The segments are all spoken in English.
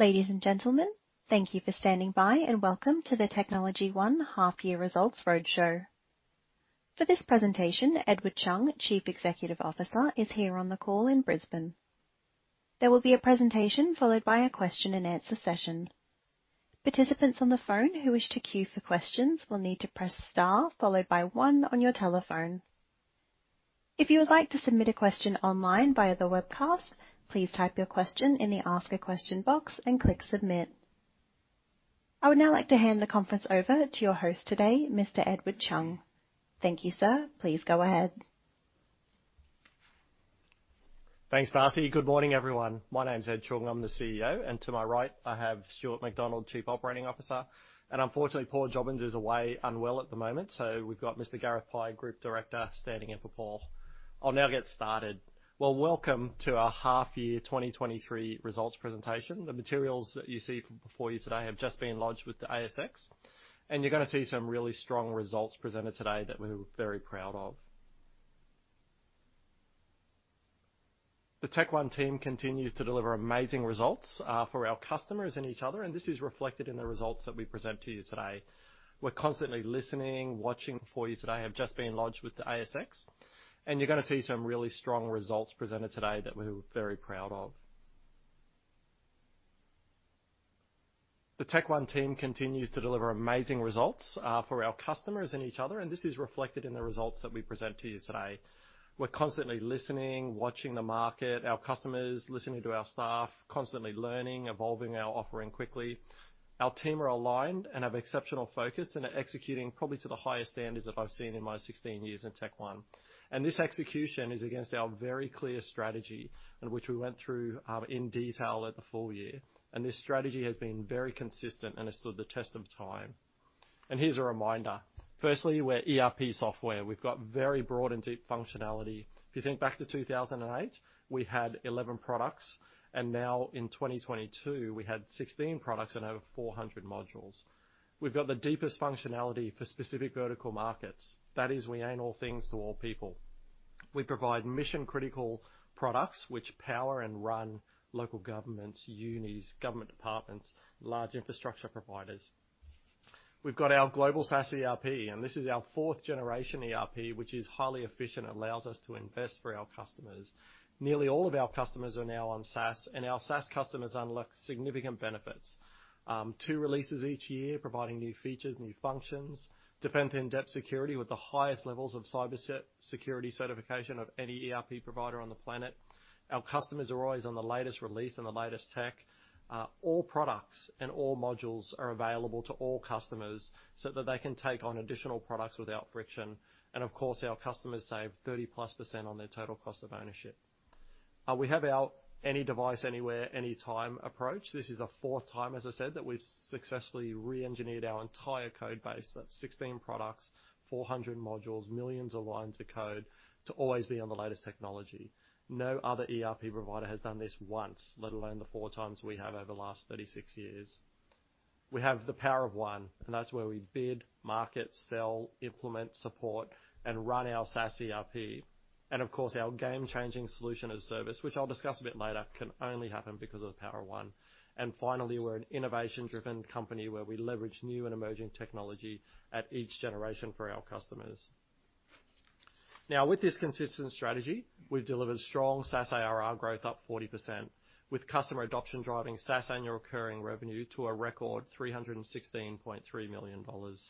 Ladies and gentlemen, thank you for standing by and welcome to the TechnologyOne Half Year Results Roadshow. For this presentation, Edward Chung, Chief Executive Officer, is here on the call in Brisbane. There will be a presentation followed by a question-and-answer session. Participants on the phone who wish to queue for questions will need to press star followed by one on your telephone. If you would like to submit a question online via the webcast, please type your question in the Ask a Question box and click Submit. I would now like to hand the conference over to your host today, Mr. Edward Chung. Thank you, sir. Please go ahead. Thanks, Marcy. Good morning, everyone. My name's Ed Chung. I'm the CEO. To my right, I have Stuart MacDonald, Chief Operating Officer. Unfortunately, Paul Jobbins is away unwell at the moment, so we've got Mr. Gareth Pike, Group Director, standing in for Paul. I'll now get started. Welcome to our half year 2023 results presentation. The materials that you see before you today have just been lodged with the ASX. You're gonna see some really strong results presented today that we're very proud of. The TechOne team continues to deliver amazing results for our customers and each other, and this is reflected in the results that we present to you today. The TechOne team continues to deliver amazing results, for our customers and each other, and this is reflected in the results that we present to you today. We're constantly listening, watching the market, our customers, listening to our staff, constantly learning, evolving our offering quickly. Our team are aligned and have exceptional focus and are executing probably to the highest standards that I've seen in my 16 years in TechOne. This execution is against our very clear strategy in which we went through, in detail at the full year. This strategy has been very consistent and has stood the test of time. Here's a reminder. Firstly, we're ERP software. We've got very broad and deep functionality. If you think back to 2008, we had 11 products, and now in 2022, we had 16 products and over 400 modules. We've got the deepest functionality for specific vertical markets. That is, we ain't all things to all people. We provide mission-critical products which power and run local governments, unis, government departments, large infrastructure providers. We've got our global SaaS ERP, and this is our fourth generation ERP, which is highly efficient and allows us to invest for our customers. Nearly all of our customers are now on SaaS, and our SaaS customers unlock significant benefits. Two releases each year, providing new features, new functions, defense in-depth security with the highest levels of cyber security certification of any ERP provider on the planet. Our customers are always on the latest release and the latest tech. All products and all modules are available to all customers so that they can take on additional products without friction. Of course, our customers save 30+% on their total cost of ownership. We have our any device, anywhere, anytime approach. This is the 4th time, as I said, that we've successfully re-engineered our entire code base. That's 16 products, 400 modules, millions of lines of code to always be on the latest technology. No other ERP provider has done this once, let alone the 4x we have over the last 36 years. We have the Power of One, and that's where we bid, market, sell, implement, support, and run our SaaS ERP. Of course, our game-changing solution as service, which I'll discuss a bit later, can only happen because of the Power of One. Finally, we're an innovation-driven company where we leverage new and emerging technology at each generation for our customers. With this consistent strategy, we've delivered strong SaaS ARR growth up 40%, with customer adoption driving SaaS annual recurring revenue to a record 316.3 million dollars.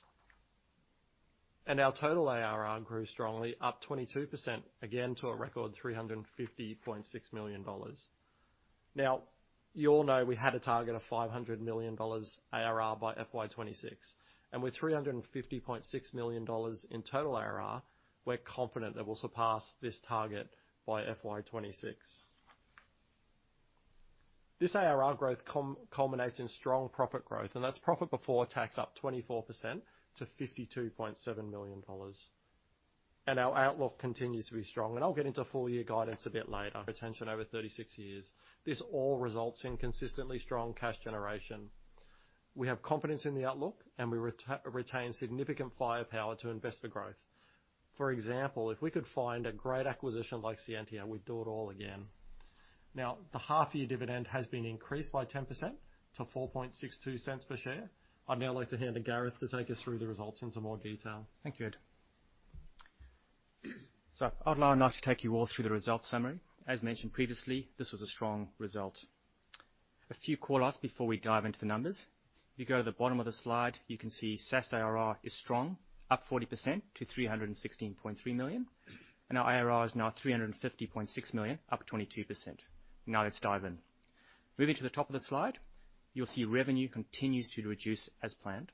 Our total ARR grew strongly, up 22%, again, to a record 350.6 million dollars. You all know we had a target of 500 million dollars ARR by FY 2026, and with 350.6 million dollars in total ARR, we're confident that we'll surpass this target by FY 2026. This ARR growth culminates in strong profit growth, and that's profit before tax up 24% to 52.7 million dollars. Our outlook continues to be strong. I'll get into full year guidance a bit later. Attention over 36 years. This all results in consistently strong cash generation. We have confidence in the outlook, we retain significant firepower to invest for growth. For example, if we could find a great acquisition like Scientia, we'd do it all again. The half year dividend has been increased by 10% to 0.0462 per share. I'd now like to hand to Gareth to take us through the results in some more detail. Thank you, Ed. I'd now like to take you all through the results summary. As mentioned previously, this was a strong result. A few call-outs before we dive into the numbers. If you go to the bottom of the slide, you can see SaaS ARR is strong, up 40% to 316.3 million. Our ARR is now 350.6 million, up 22%. Let's dive in. Moving to the top of the slide, you'll see revenue continues to reduce as planned.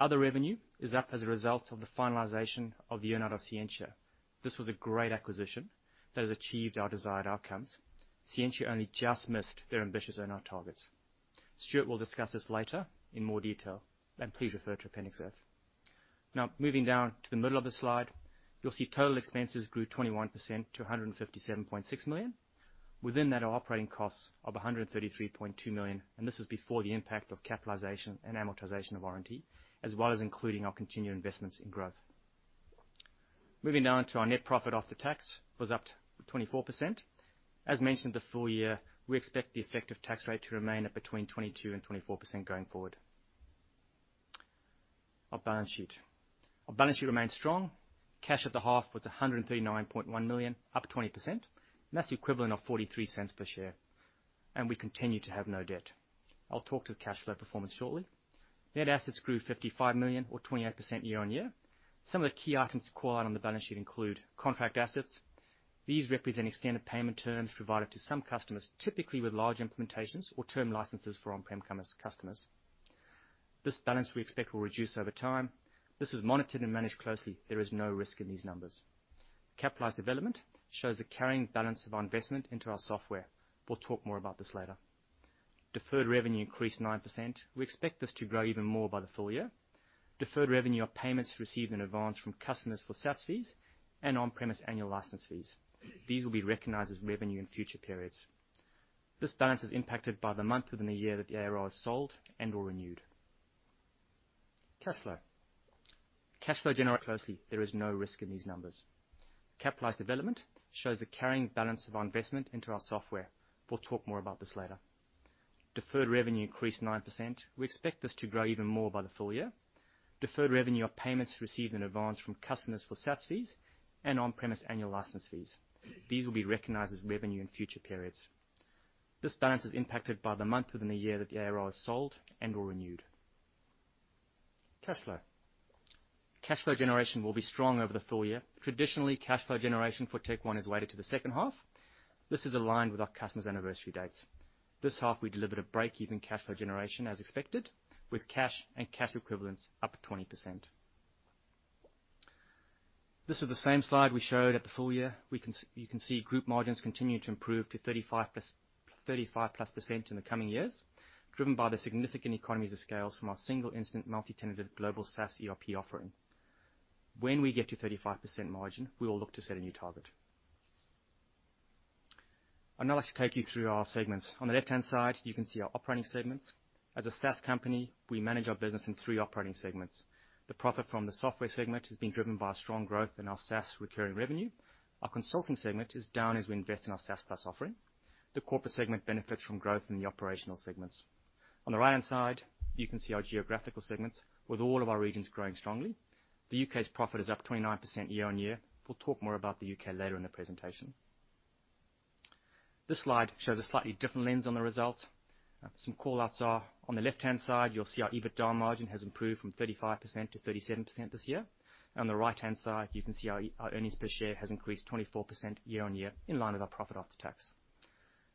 Other revenue is up as a result of the finalization of the earn-out of Scientia. This was a great acquisition that has achieved our desired outcomes. Scientia only just missed their ambitious earn-out targets. Stuart will discuss this later in more detail, and please refer to Appendix F. Moving down to the middle of the slide, you'll see total expenses grew 21% to 157.6 million. Within that are operating costs of 133.2 million, this is before the impact of capitalization and amortization of warranty, as well as including our continued investments in growth. Moving on to our net profit after tax was up 24%. As mentioned, the full year, we expect the effective tax rate to remain at between 22% and 24% going forward. Our balance sheet remains strong. Cash at the half was 139.1 million, up 20%. That's the equivalent of 0.43 per share. We continue to have no debt. I'll talk to the cash flow performance shortly. Net assets grew 55 million or 28% year-on-year. Some of the key items to call out on the balance sheet include contract assets. These represent extended payment terms provided to some customers, typically with large implementations or term licenses for on-prem customers. This balance we expect will reduce over time. This is monitored and managed closely. There is no risk in these numbers. Capitalized development shows the carrying balance of our investment into our software. We'll talk more about this later. Deferred revenue increased 9%. We expect this to grow even more by the full year. Deferred revenue are payments received in advance from customers for SaaS fees and on-premise annual license fees. These will be recognized as revenue in future periods. This balance is impacted by the month within the year that the ARR is sold and/or renewed. Cash flow. Cash flow generate closely. There is no risk in these numbers. Capitalized development shows the carrying balance of our investment into our software. We'll talk more about this later. Deferred revenue increased 9%. We expect this to grow even more by the full year. Deferred revenue are payments received in advance from customers for SaaS fees and on-premise annual license fees. These will be recognized as revenue in future periods. This balance is impacted by the month within the year that the ARR is sold and/or renewed. Cash flow. Cash flow generation will be strong over the full year. Traditionally, cash flow generation for TechOne is weighted to the second half. This is aligned with our customers' anniversary dates. This half we delivered a break-even cash flow generation as expected, with cash and cash equivalents up 20%. This is the same slide we showed at the full year. You can see group margins continuing to improve to 35%+ in the coming years, driven by the significant economies of scales from our single-instance, multi-tenanted global SaaS ERP offering. When we get to 35% margin, we will look to set a new target. I'd now like to take you through our segments. On the left-hand side, you can see our operating segments. As a SaaS company, we manage our business in three operating segments. The profit from the software segment has been driven by strong growth in our SaaS recurring revenue. Our consulting segment is down as we invest in our SaaS+ offering. The corporate segment benefits from growth in the operational segments. On the right-hand side, you can see our geographical segments, with all of our regions growing strongly. The U.K.'s profit is up 29% year-over-year. We'll talk more about the U.K. later in the presentation. This slide shows a slightly different lens on the results. Some call outs are on the left-hand side, you'll see our EBITDA margin has improved from 35% to 37% this year. On the right-hand side, you can see our earnings per share has increased 24% year-over-year in line with our profit after tax.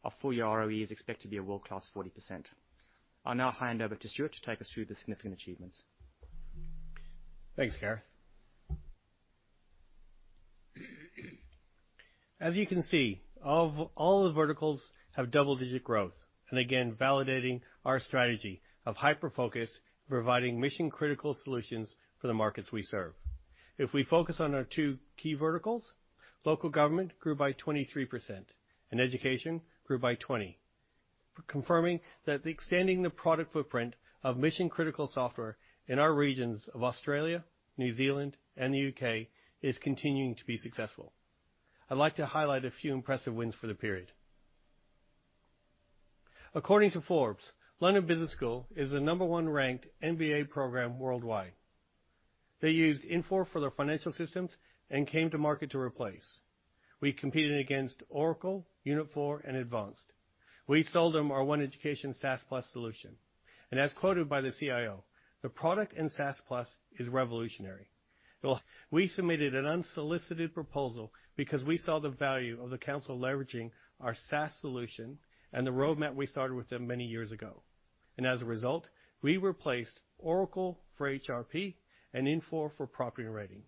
Our full year ROE is expected to be a world-class 40%. I'll now hand over to Stuart to take us through the significant achievements. Thanks, Gareth. As you can see, of all the verticals have double-digit growth, and again, validating our strategy of hyper-focus, providing mission-critical solutions for the markets we serve. If we focus on our two key verticals, local government grew by 23% and education grew by 20%, confirming that the extending the product footprint of mission-critical software in our regions of Australia, New Zealand, and the U.K. is continuing to be successful. I'd like to highlight a few impressive wins for the period. According to Forbes, London Business School is the number one ranked MBA program worldwide. They used Infor for their financial systems and came to market to replace. We competed against Oracle, Unit4, and Advanced. We sold them our OneEducation SaaS+ solution. As quoted by the CIO, "The product in SaaS+ is revolutionary." Well, we submitted an unsolicited proposal because we saw the value of the council leveraging our SaaS solution and the roadmap we started with them many years ago. As a result, we replaced Oracle for HRP and Infor for Property & Rating.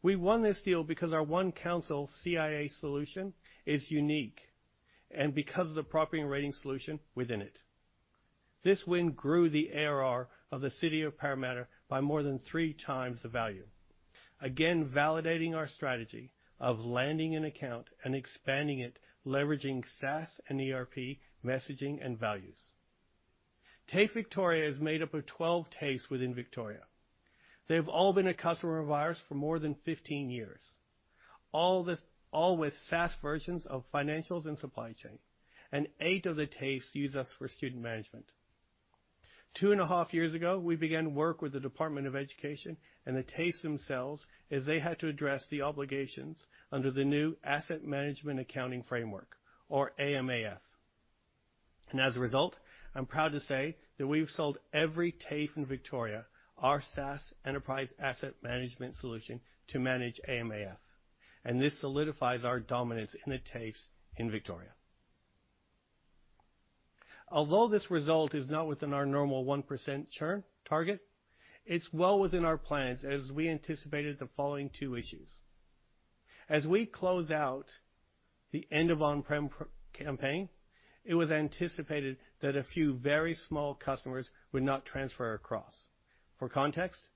We won this deal because our OneCouncil CiA solution is unique and because of the Property & Rating solution within it. This win grew the ARR of the City of Parramatta by more than 3x the value. Again, validating our strategy of landing an account and expanding it, leveraging SaaS and ERP, messaging, and values. TAFE Victoria is made up of 12 TAFEs within Victoria. They've all been a customer of ours for more than 15 years, all this, all with SaaS versions of financials and supply chain, and eight of the TAFEs use us for student management. Two and a half years ago, we began work with the Department of Education and the TAFEs themselves as they had to address the obligations under the new Asset Management Accountability Framework, or AMAF. As a result, I'm proud to say that we've sold every TAFE in Victoria our SaaS Enterprise Asset Management solution to manage AMAF. This solidifies our dominance in the TAFEs in Victoria. Although this result is not within our normal 1% churn target, it's well within our plans as we anticipated the following two issues. As we close out the end of on-prem campaign, it was anticipated that a few very small customers would not transfer across. For context,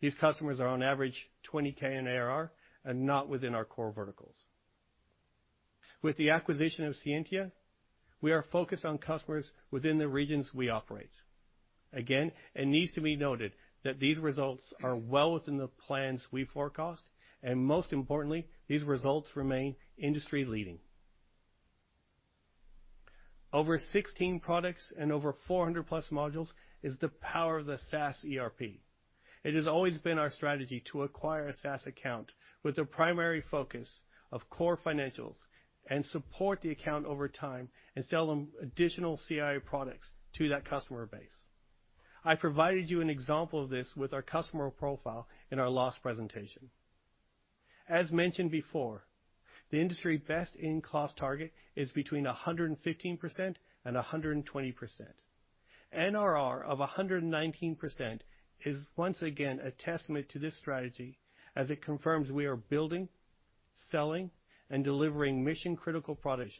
these customers are on average 20K in ARR and not within our core verticals. With the acquisition of Scientia, we are focused on customers within the regions we operate. Again, it needs to be noted that these results are well within the plans we forecast, and most importantly, these results remain industry-leading. Over 16 products and over 400+ modules is the power of the SaaS ERP. It has always been our strategy to acquire a SaaS account with the primary focus of core financials and support the account over time and sell them additional CiA products to that customer base. I provided you an example of this with our customer profile in our last presentation. As mentioned before, the industry best in-class target is between 115% and 120%. NRR of 119% is once again a testament to this strategy as it confirms we are building, selling, and delivering mission-critical products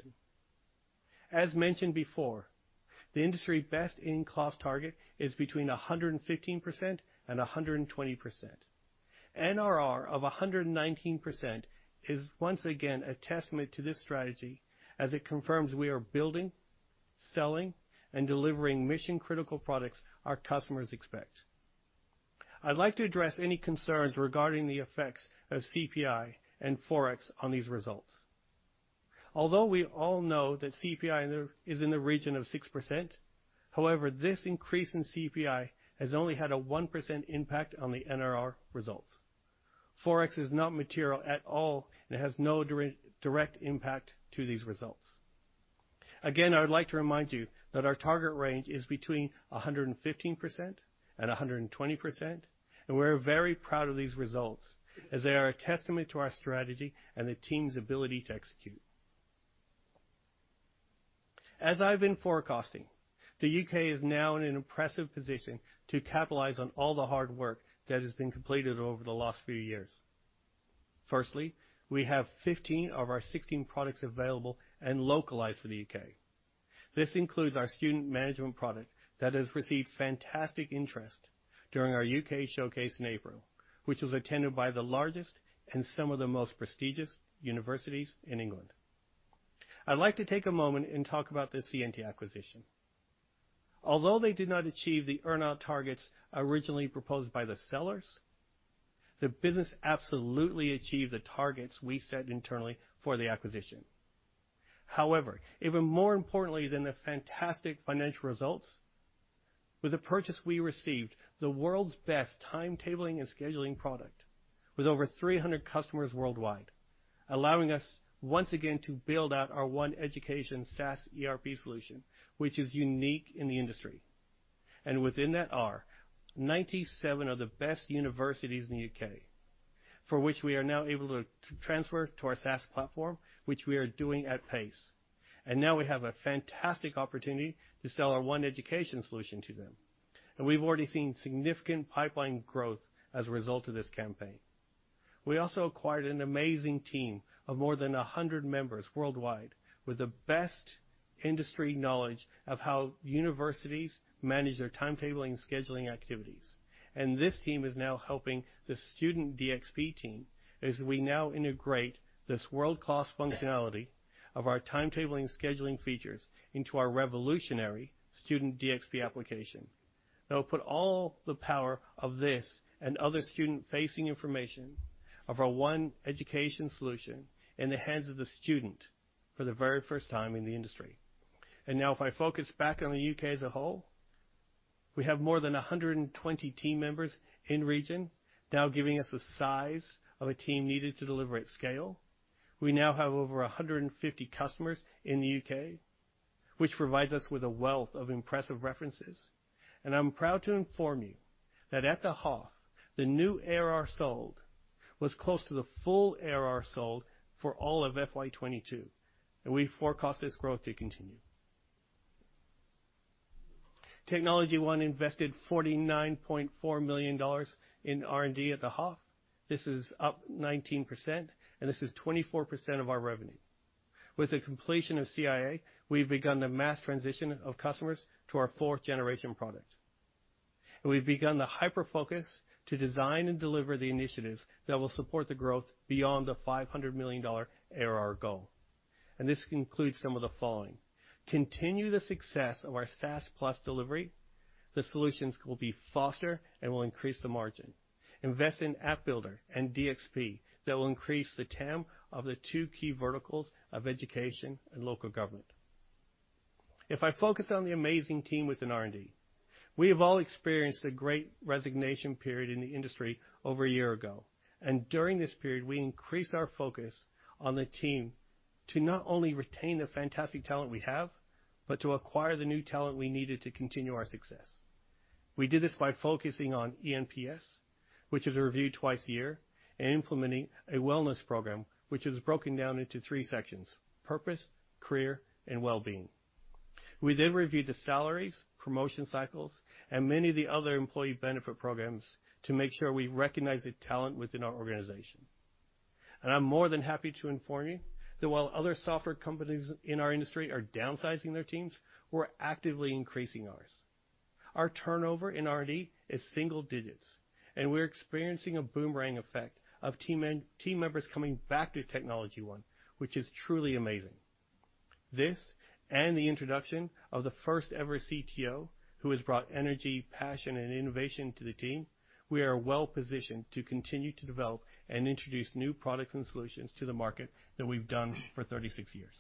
our customers expect. I'd like to address any concerns regarding the effects of CPI and Forex on these results. Although we all know that CPI is in the region of 6%, however, this increase in CPI has only had a 1% impact on the NRR results. Forex is not material at all, and it has no direct impact to these results. Again, I would like to remind you that our target range is between 115% and 120%, and we're very proud of these results as they are a testament to our strategy and the team's ability to execute. As I've been forecasting, the U.K. is now in an impressive position to capitalize on all the hard work that has been completed over the last few years. Firstly, we have 15 of our 16 products available and localized for the U.K. This includes our student management product that has received fantastic interest during our U.K. showcase in April, which was attended by the largest and some of the most prestigious universities in England. I'd like to take a moment and talk about the Scientia acquisition. Although they did not achieve the earn-out targets originally proposed by the sellers, the business absolutely achieved the targets we set internally for the acquisition. Even more importantly than the fantastic financial results, with the purchase, we received the world's best timetabling and scheduling product with over 300 customers worldwide, allowing us once again to build out our OneEducation SaaS ERP solution, which is unique in the industry. Within that are 97 of the best universities in the U.K., for which we are now able to transfer to our SaaS platform, which we are doing at pace. Now we have a fantastic opportunity to sell our OneEducation solution to them. We've already seen significant pipeline growth as a result of this campaign. We also acquired an amazing team of more than 100 members worldwide with the best industry knowledge of how universities manage their timetabling and scheduling activities. This team is now helping the student DxP team as we now integrate this world-class functionality of our timetabling and scheduling features into our revolutionary student DxP application. That will put all the power of this and other student-facing information of our OneEducation solution in the hands of the student for the very first time in the industry. Now if I focus back on the U.K. as a whole, we have more than 120 team members in region now giving us the size of a team needed to deliver at scale. We now have over 150 customers in the U.K., which provides us with a wealth of impressive references. I'm proud to inform you that at the half, the new ARR sold was close to the full ARR sold for all of FY 2022. We forecast this growth to continue. TechnologyOne invested 49.4 million dollars in R&D at the half. This is up 19%, and this is 24% of our revenue. With the completion of CiA, we've begun the mass transition of customers to our fourth generation product. We've begun the hyper-focus to design and deliver the initiatives that will support the growth beyond the 500 million dollar ARR goal. This includes some of the following. Continue the success of our SaaS+ delivery. The solutions will be faster and will increase the margin. Invest in App Builder and DXP that will increase the TAM of the two key verticals of education and local government. If I focus on the amazing team within R&D, we have all experienced a great resignation period in the industry over a year ago. During this period, we increased our focus on the team to not only retain the fantastic talent we have, but to acquire the new talent we needed to continue our success. We did this by focusing on ENPS, which is reviewed twice a year, and implementing a wellness program, which is broken down into three sections: purpose, career, and well-being. We then reviewed the salaries, promotion cycles, and many of the other employee benefit programs to make sure we recognize the talent within our organization. I'm more than happy to inform you that while other software companies in our industry are downsizing their teams, we're actively increasing ours. Our turnover in R&D is single digits, and we're experiencing a boomerang effect of team members coming back to TechnologyOne, which is truly amazing. This, and the introduction of the first ever CTO, who has brought energy, passion, and innovation to the team, we are well positioned to continue to develop and introduce new products and solutions to the market that we've done for 36 years.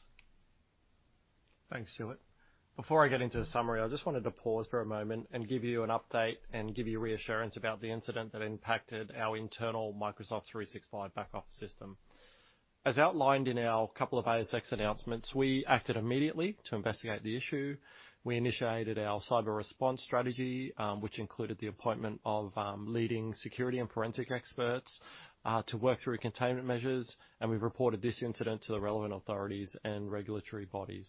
Thanks, Stuart. Before I get into the summary, I just wanted to pause for a moment and give you an update and give you reassurance about the incident that impacted our internal Microsoft 365 back office system. As outlined in our couple of ASX announcements, we acted immediately to investigate the issue. We initiated our cyber response strategy, which included the appointment of leading security and forensic experts to work through containment measures, and we've reported this incident to the relevant authorities and regulatory bodies.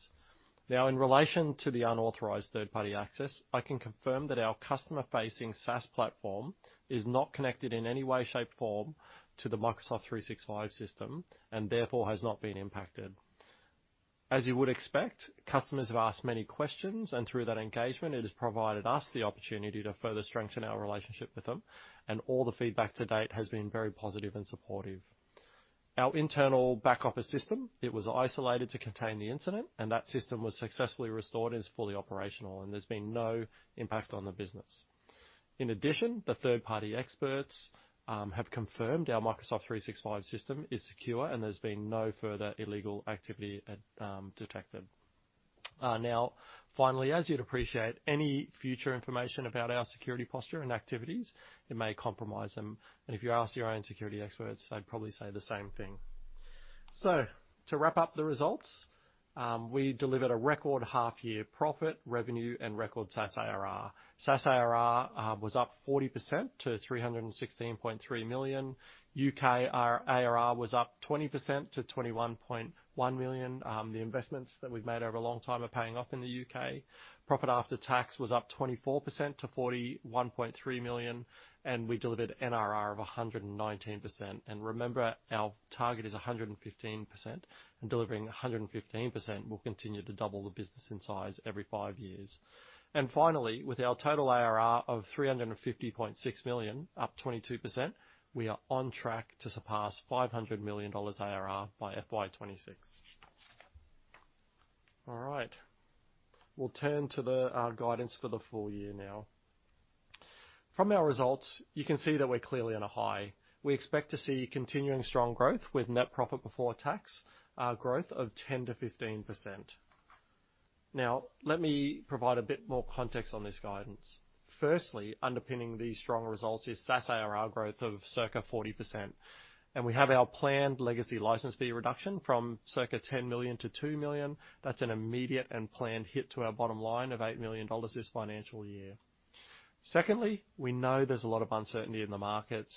Now, in relation to the unauthorized third-party access, I can confirm that our customer-facing SaaS platform is not connected in any way, shape, or form to the Microsoft 365 system and therefore has not been impacted. As you would expect, customers have asked many questions. Through that engagement, it has provided us the opportunity to further strengthen our relationship with them. All the feedback to date has been very positive and supportive. Our internal back office system, it was isolated to contain the incident. That system was successfully restored and is fully operational. There's been no impact on the business. In addition, the third-party experts have confirmed our Microsoft 365 system is secure. There's been no further illegal activity detected. Finally, as you'd appreciate any future information about our security posture and activities, it may compromise them. If you ask your own security experts, they'd probably say the same thing. To wrap up the results, we delivered a record half year profit, revenue, and record SaaS ARR. SaaS ARR was up 40% to 316.3 million. U.K., our ARR was up 20% to 21.1 million. The investments that we've made over a long time are paying off in the U.K. Profit after tax was up 24% to 41.3 million, and we delivered NRR of 119%. Remember, our target is 115%, and delivering 115% will continue to double the business in size every five years. With our total ARR of 350.6 million, up 22%, we are on track to surpass 500 million dollars ARR by FY 2026. We'll turn to the guidance for the full year now. From our results, you can see that we're clearly on a high. We expect to see continuing strong growth with net profit before tax growth of 10%-15%. Let me provide a bit more context on this guidance. Firstly, underpinning these strong results is SaaS ARR growth of circa 40%. We have our planned legacy license fee reduction from circa 10 million to 2 million. That's an immediate and planned hit to our bottom line of 8 million dollars this financial year. Secondly, we know there's a lot of uncertainty in the markets,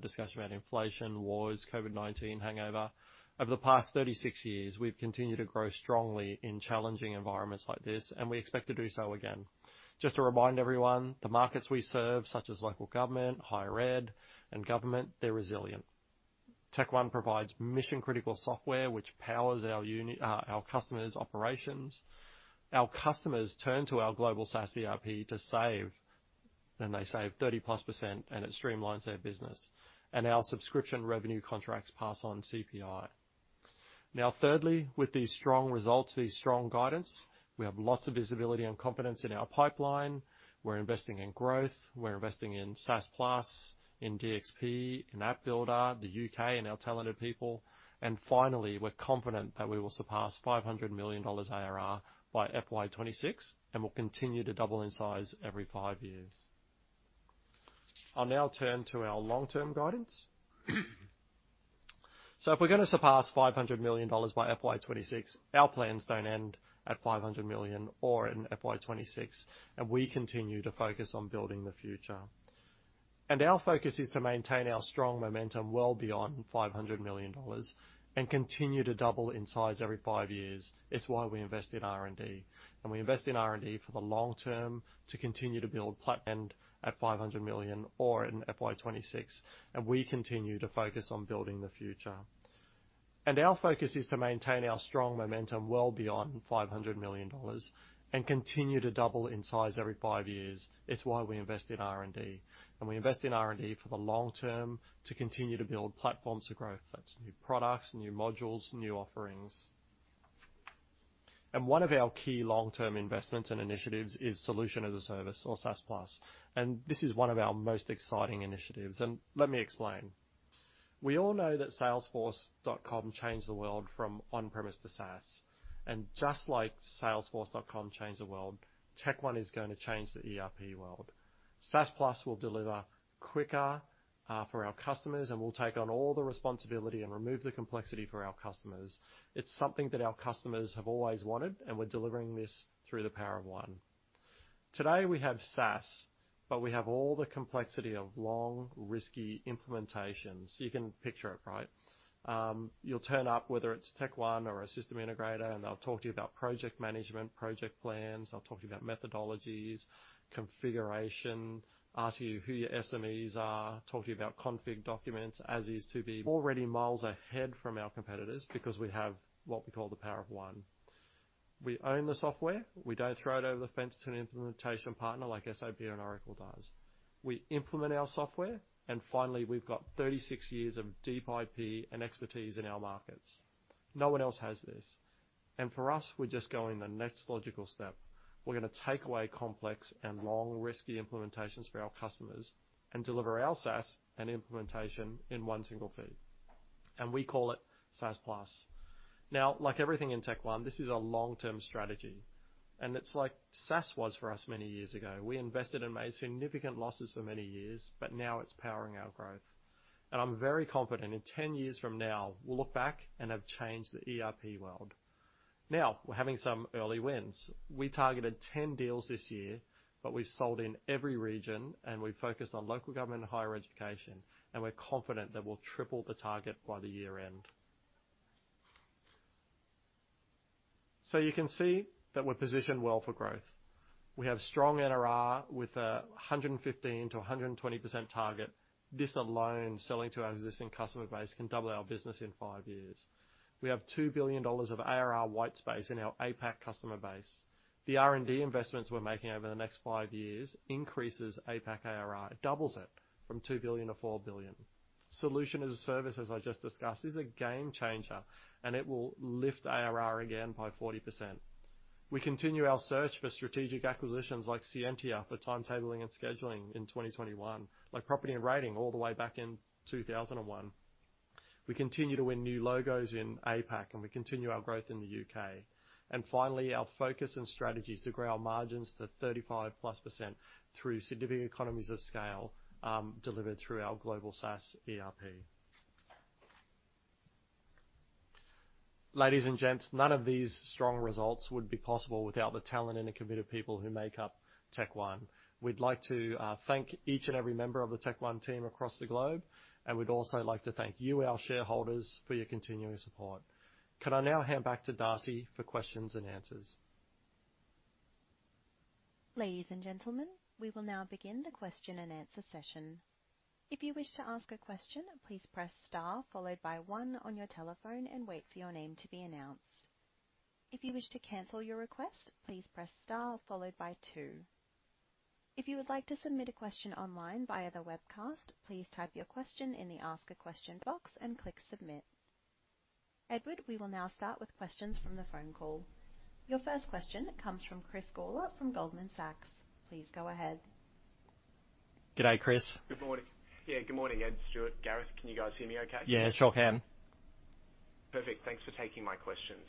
discussion around inflation, wars, COVID-19 hangover. Over the past 36 years, we've continued to grow strongly in challenging environments like this, and we expect to do so again. Just to remind everyone, the markets we serve, such as local government, higher ed, and government, they're resilient. TechOne provides mission-critical software which powers our customers' operations. Our customers turn to our global SaaS ERP to save, they save 30+%, and it streamlines their business. Our subscription revenue contracts pass on CPI. Thirdly, with these strong results, the strong guidance, we have lots of visibility and confidence in our pipeline. We're investing in growth. We're investing in SaaS+, in DxP, in App Builder, the U.K., and our talented people. Finally, we're confident that we will surpass $500 million ARR by FY 2026, we'll continue to double in size every five years. I'll now turn to our long-term guidance. If we're gonna surpass $500 million by FY 2026, our plans don't end at $500 million or in FY 2026, we continue to focus on building the future. Our focus is to maintain our strong momentum well beyond 500 million dollars and continue to double in size every five years. It's why we invest in R&D, we invest in R&D for the long term to continue to build plat... end at 500 million or in FY 2026, we continue to focus on building the future. Our focus is to maintain our strong momentum well beyond 500 million dollars and continue to double in size every five years. It's why we invest in R&D, we invest in R&D for the long term to continue to build platforms for growth. That's new products, new modules, new offerings. One of our key long-term investments and initiatives is Solution as a Service or SaaS+, this is one of our most exciting initiatives, let me explain. We all know that Salesforce.com changed the world from on-premise to SaaS. Just like Salesforce.com changed the world, TechOne is gonna change the ERP world. SaaS+ will deliver quicker for our customers, and we'll take on all the responsibility and remove the complexity for our customers. It's something that our customers have always wanted, and we're delivering this through the Power of One. Today we have SaaS, we have all the complexity of long, risky implementations. You can picture it, right? You'll turn up whether it's TechOne or a system integrator, and they'll talk to you about project management, project plans. They'll talk to you about methodologies, configuration. Ask you who your SMEs are. Talk to you about config documents as is to be. Already miles ahead from our competitors because we have what we call the Power of One. We own the software. We don't throw it over the fence to an implementation partner like SAP and Oracle does. We implement our software, and finally, we've got 36 years of deep IP and expertise in our markets. No one else has this. For us, we're just going the next logical step. We're gonna take away complex and long, risky implementations for our customers and deliver our SaaS and implementation in one single feed. We call it SaaS+. Now, like everything in TechOne, this is a long-term strategy. It's like SaaS was for us many years ago. We invested and made significant losses for many years, but now it's powering our growth. I'm very confident in 10 years from now, we'll look back and have changed the ERP world. Now, we're having some early wins. We targeted 10 deals this year, but we've sold in every region and we've focused on local government and higher education, and we're confident that we'll triple the target by the year end. You can see that we're positioned well for growth. We have strong NRR with a 115%-120% target. This alone, selling to our existing customer base, can double our business in five years. We have 2 billion dollars of ARR white space in our APAC customer base. The R&D investments we're making over the next five years increases APAC ARR. It doubles it from 2 billion-4 billion. Solution as a service, as I just discussed, is a game changer, and it will lift ARR again by 40%. We continue our search for strategic acquisitions like Scientia for timetabling and scheduling in 2021, like Property & Rating all the way back in 2001. We continue to win new logos in APAC, and we continue our growth in the U.K.. Finally, our focus and strategy is to grow our margins to 35+% through significant economies of scale delivered through our global SaaS ERP. Ladies and gents, none of these strong results would be possible without the talent and the committed people who make up TechOne. We'd like to thank each and every member of the TechOne team across the globe, and we'd also like to thank you, our shareholders, for your continuing support. Can I now hand back to Darcy for questions and answers? Ladies and gentlemen, we will now begin the question and answer session. If you wish to ask a question, please press star followed by one on your telephone and wait for your name to be announced. If you wish to cancel your request, please press star followed by two. If you would like to submit a question online via the webcast, please type your question in the Ask a Question box and click Submit. Edward, we will now start with questions from the phone call. Your first question comes from Chris Gawler from Goldman Sachs. Please go ahead. Good day, Chris. Good morning. Yeah, good morning, Ed, Stuart, Gareth. Can you guys hear me okay? Yeah, sure can. Perfect. Thanks for taking my questions.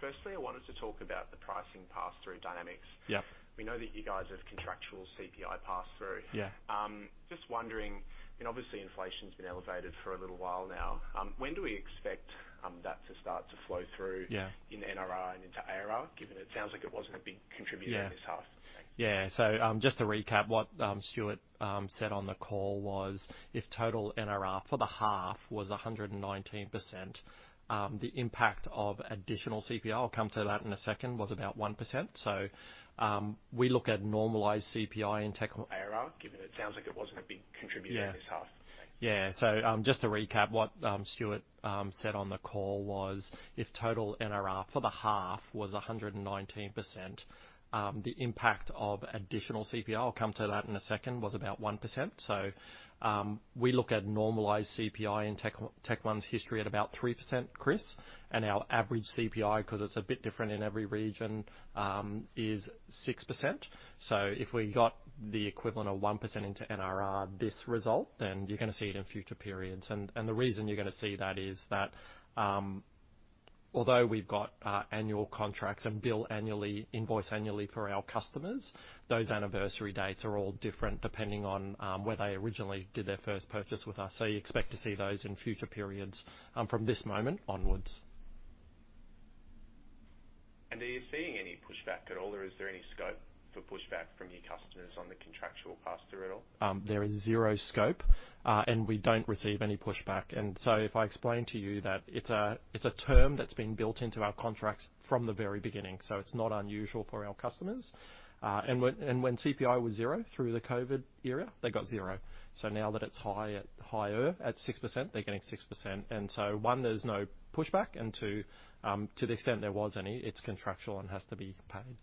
Firstly, I wanted to talk about the pricing pass-through dynamics. Yep. We know that you guys have contractual CPI pass-through. Yeah. Just wondering, you know, obviously inflation's been elevated for a little while now. When do we expect that to start to flow through? Yeah... in NRR and into ARR, given it sounds like it wasn't a big contributor this half? Yeah. Yeah. Just to recap what, Stuart, said on the call was if total NRR for the half was 119%, the impact of additional CPI, I'll come to that in a second, was about 1%. We look at normalized CPI in TechOne. ARR, given it sounds like it wasn't a big contributor this half? Yeah. Yeah. Just to recap what Stuart said on the call was if total NRR for the half was 119%, the impact of additional CPI, I'll come to that in a second, was about 1%. We look at normalized CPI in TechOne's history at about 3%, Chris. Our average CPI, 'cause it's a bit different in every region, is 6%. If we got the equivalent of 1% into NRR this result, then you're gonna see it in future periods. The reason you're gonna see that is that, although we've got annual contracts and bill annually, invoice annually for our customers, those anniversary dates are all different depending on where they originally did their first purchase with us. You expect to see those in future periods, from this moment onwards. Are you seeing any pushback at all, or is there any scope for pushback from your customers on the contractual pass-through at all? There is zero scope, and we don't receive any pushback. If I explain to you that it's a term that's been built into our contracts from the very beginning, it's not unusual for our customers. When CPI was zero through the COVID era, they got zero. Now that it's high, higher at 6%, they're getting 6%. One, there's no pushback, and two, to the extent there was any, it's contractual and has to be paid.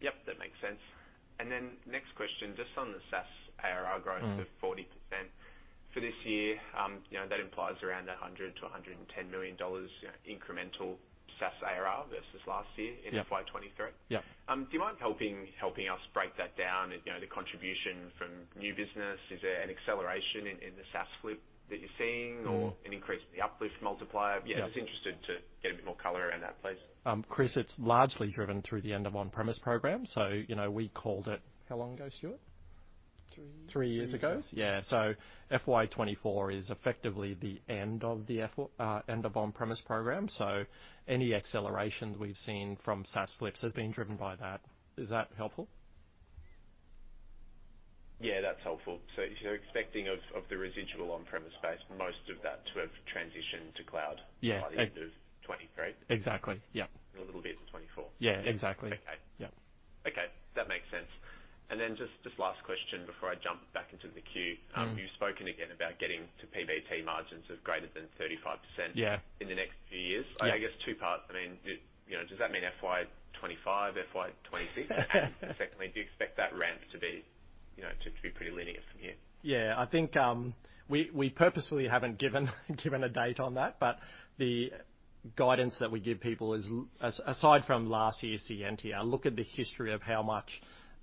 Yep, that makes sense. Next question, just on the SaaS ARR growth of 40%. For this year, you know, that implies around 100 million-110 million dollars, you know, incremental SaaS ARR versus last year. Yeah... in FY 2023. Yeah. Do you mind helping us break that down? You know, the contribution from new business. Is there an acceleration in the SaaS slip that you're seeing or an increase in the uplift multiplier? Yeah. Yeah, just interested to get a bit more color around that, please. Chris, it's largely driven through the end of on-premise program. You know, we called it... How long ago, Stuart? Three years ago? Three years. Yeah. FY 2024 is effectively the end of the end of on-premise program. Any acceleration we've seen from SaaS flips has been driven by that. Is that helpful? Yeah, that's helpful. You're expecting of the residual on-premise base, most of that to have transitioned to cloud- Yeah. by the end of 2023. Exactly. Yeah. A little bit in 2024. Yeah, exactly. Okay. Yeah. Okay, that makes sense. Then just last question before I jump back into the queue. You've spoken again about getting to PBT margins of greater than 35%. Yeah in the next few years. Yeah. I guess two parts. I mean, you know, does that mean FY 2025, FY 2026? Secondly, do you expect that ramp to be, you know, pretty linear from here? Yeah. I think, we purposely haven't given a date on that. The guidance that we give people is aside from last year's Scientia look at the history of how much,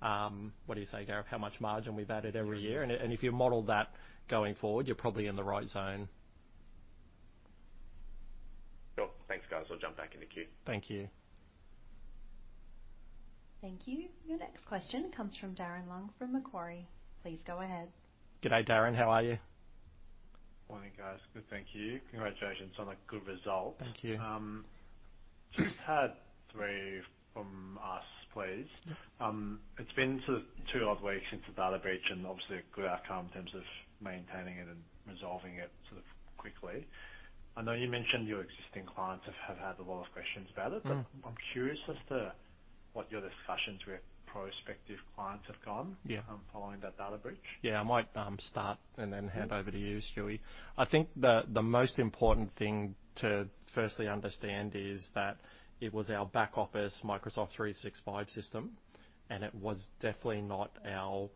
what do you say, Gareth Pike? How much margin we've added every year. Yeah. If you model that going forward, you're probably in the right zone. Cool. Thanks, guys. I'll jump back in the queue. Thank you. Thank you. Your next question comes from Darren Leung from Macquarie. Please go ahead. Good day, Darren. How are you? Morning, guys. Good, thank you. Congratulations on a good result. Thank you. Just had three from us, please. It's been sort of two odd weeks since the data breach, and obviously a good outcome in terms of maintaining it and resolving it sort of quickly. I know you mentioned your existing clients have had a lot of questions about it. I'm curious as to what your discussions with prospective clients have. Yeah following that data breach. Yeah. I might start and then hand over to you, Stewie. I think the most important thing to firstly understand is that it was our back office Microsoft 365 system, and it was definitely not our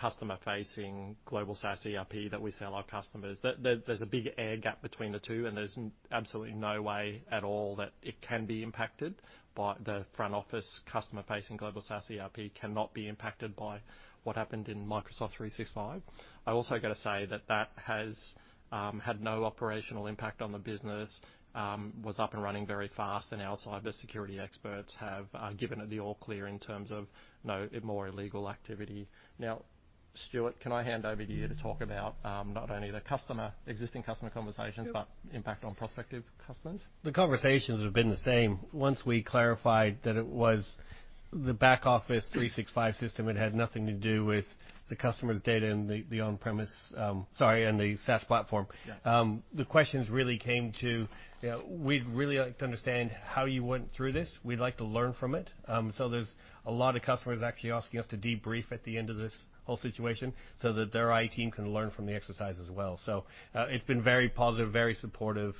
customer-facing global SaaS ERP that we sell our customers. There's a big air gap between the two, and there's absolutely no way at all that it can be impacted by the front office customer-facing global SaaS ERP, cannot be impacted by what happened in Microsoft 365. I've also got to say that that has had no operational impact on the business, was up and running very fast, and our cybersecurity experts have given it the all clear in terms of no more illegal activity. Now, Stuart, can I hand over to you to talk about not only the customer, existing customer conversations- Yeah Impact on prospective customers? The conversations have been the same. Once we clarified that it was the back office Microsoft 365 system, it had nothing to do with the customer's data and the on-premise, Sorry, and the SaaS platform. Yeah. The questions really came to, you know, we'd really like to understand how you went through this. We'd like to learn from it. There's a lot of customers actually asking us to debrief at the end of this whole situation so that their IT team can learn from the exercise as well. It's been very positive, very supportive.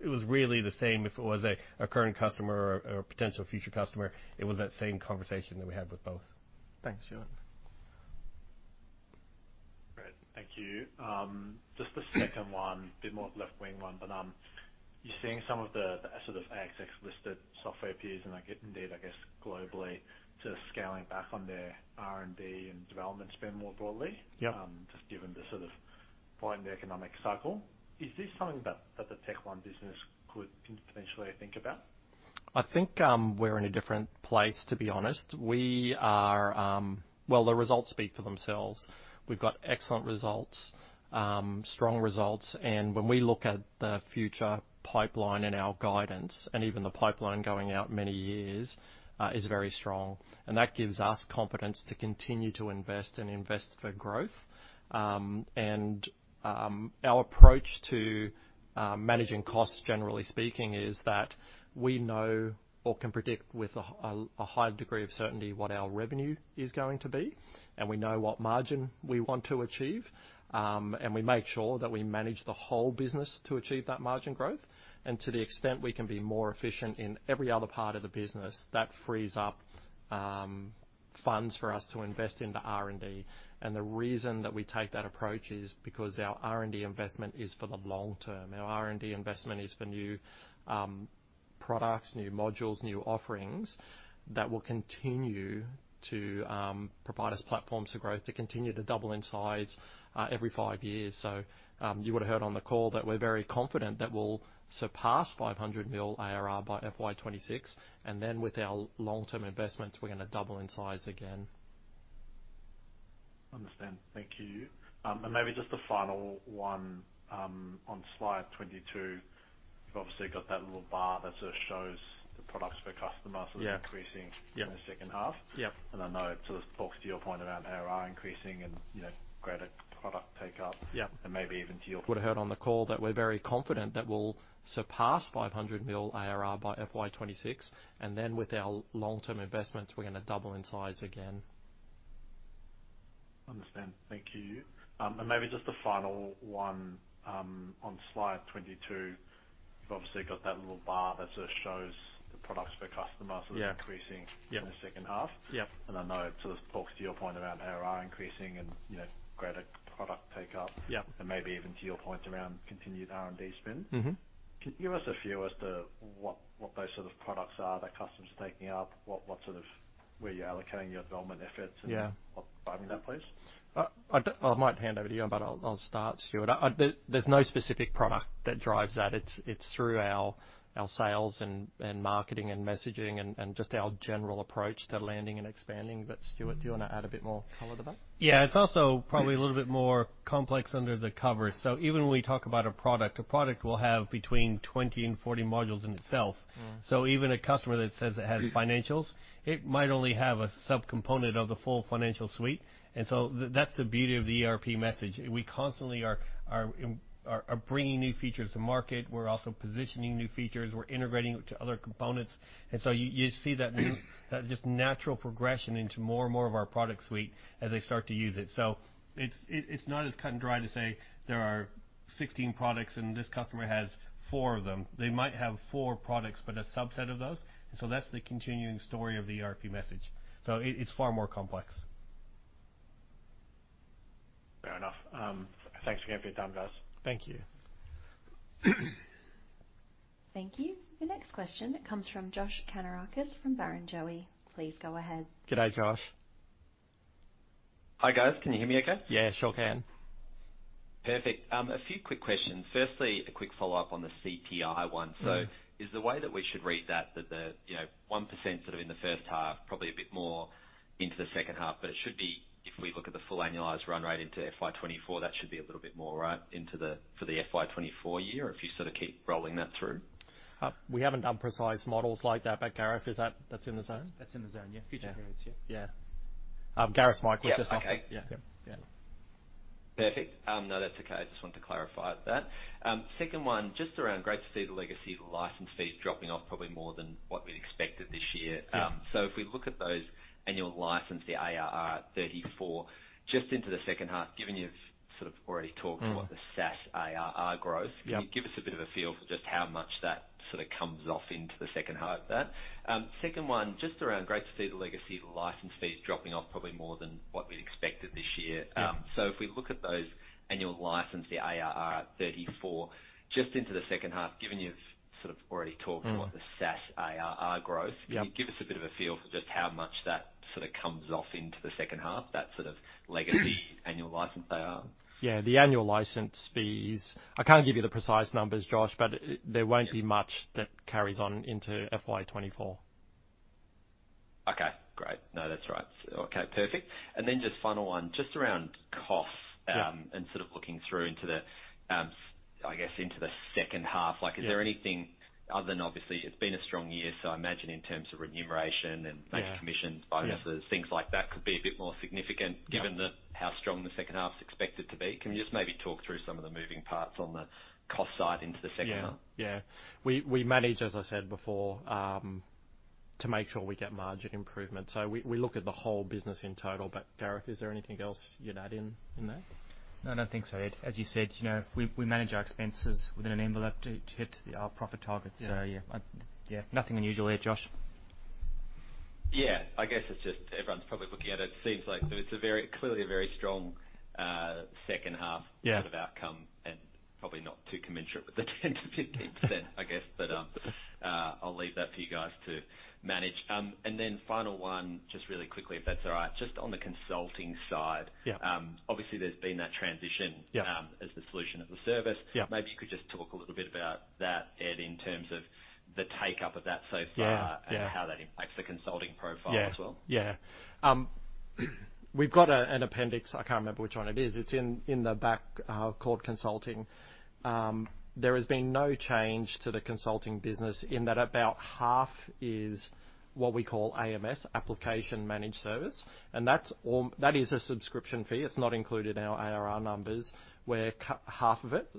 It was really the same if it was a current customer or potential future customer. It was that same conversation that we had with both. Thanks, Stuart. Great. Thank you. Just the second one, bit more left-wing one. You're seeing some of the sort of ASX-listed software peers and like, indeed, I guess, globally sort of scaling back on their R&D and development spend more broadly. Yeah. Just given the sort of point in the economic cycle. Is this something that the TechOne business could potentially think about? I think, we're in a different place, to be honest. We are. Well, the results speak for themselves. We've got excellent results, strong results, and when we look at the future pipeline and our guidance, and even the pipeline going out many years, is very strong. That gives us confidence to continue to invest and invest for growth. Our approach to managing costs, generally speaking, is that we know or can predict with a high degree of certainty what our revenue is going to be, and we know what margin we want to achieve. We make sure that we manage the whole business to achieve that margin growth. To the extent we can be more efficient in every other part of the business, that frees up funds for us to invest into R&D. The reason that we take that approach is because our R&D investment is for the long term. Our R&D investment is for new, products, new modules, new offerings that will continue to, provide us platforms for growth to continue to double in size, every five years. You would've heard on the call that we're very confident that we'll surpass 500 million ARR by FY 2026, and then with our long-term investments, we're gonna double in size again. Understand. Thank you. Maybe just a final one, on slide 22. You've obviously got that little bar that sort of shows sales and marketing and messaging and just our general approach to landing and expanding. Stuart, do you wanna add a bit more color to that? Yeah. It's also probably a little bit more complex under the covers. Even when we talk about a product, a product will have between 20 and 40 modules in itself. Even a customer that says it has financials, it might only have a subcomponent of the full financial suite. That's the beauty of the ERP message. We constantly are bringing new features to market. We're also positioning new features. We're integrating it to other components. You see that just natural progression into more and more of our product suite as they start to use it. It's, it's not as cut and dry to say there are 16 products and this customer has four of them. They might have four products, but a subset of those, that's the continuing story of the ERP message. It, it's far more complex. Fair enough. Thanks again for your time, guys. Thank you. Thank you. The next question comes from Josh Kannourakis from Barrenjoey. Please go ahead. Good day, Josh. Hi, guys. Can you hear me okay? Yeah, sure can. Perfect. A few quick questions. Firstly, a quick follow-up on the CPI one. Is the way that we should read that the, you know, 1% sort of in the first half, probably a bit more into the second half, but it should be, if we look at the full annualized run rate into FY 2024, that should be a little bit more, right? Into the... For the FY 2024 year, if you sort of keep rolling that through. We haven't done precise models like that, but Gareth, That's in the zone? That's in the zone, yeah. Future periods, yeah. Yeah. Gareth Pike. Yeah. Okay. Yeah. Yeah. Perfect. No, that's okay. I just wanted to clarify that. Second one, just around great to see the legacy of the license fees dropping off probably more than what we'd expected this year. Yeah. If we look at those annual license, the ARR at 34 million, just into the second half, given you've sort of already talked about the SaaS ARR growth Yeah... can you give us a bit of a feel for just how much that sort of comes off into the second half of that? Second one, just around great to see the legacy of the license fees dropping off probably more than what we'd expected this year. Yeah. If we look at those annual license, the ARR at 34 million, just into the second half, given you've sort of already talked about the SaaS ARR growth Yeah... can you give us a bit of a feel for just how much that sort of comes off into the second half, that sort of legacy annual license ARR? Yeah, the annual license fees, I can't give you the precise numbers, Josh, but there won't be much that carries on into FY 2024. Okay, great. No, that's right. Okay, perfect. And then just final one, just around costs. Yeah... and sort of looking through into the, I guess, into the second half. Yeah. Like is there anything other than obviously it's been a strong year, I imagine in terms of remuneration and- Yeah... maybe commissions, bonuses- Yeah... things like that could be a bit more significant- Yeah... given how strong the second half's expected to be. Can you just maybe talk through some of the moving parts on the cost side into the second half? Yeah. Yeah. We manage, as I said before, to make sure we get margin improvement. We look at the whole business in total. Gareth, is there anything else you'd add in there? I don't think so, Ed. As you said, you know, we manage our expenses within an envelope to hit our profit targets. Yeah. Yeah. Yeah. Nothing unusual here, Josh. Yeah. I guess it's just everyone's probably looking at it. It seems like there is a very, clearly a very strong. Yeah... sort of outcome and probably not too commensurate with the 10%-15%, I guess. I'll leave that for you guys to manage. Final one, just really quickly, if that's all right. Just on the consulting side. Yeah. Obviously there's been that. Yeah... as the solution of the service. Yeah. Maybe you could just talk a little bit about that, Ed, in terms of the take-up of that so far? Yeah. Yeah.... and how that impacts the consulting profile as well. Yeah. Yeah. We've got a, an appendix, I can't remember which one it is. It's in the back, called Consulting. There has been no change to the consulting business in that about half is what we call AMS, application managed service. That's all... That is a subscription fee. It's not included in our ARR numbers, where half of it,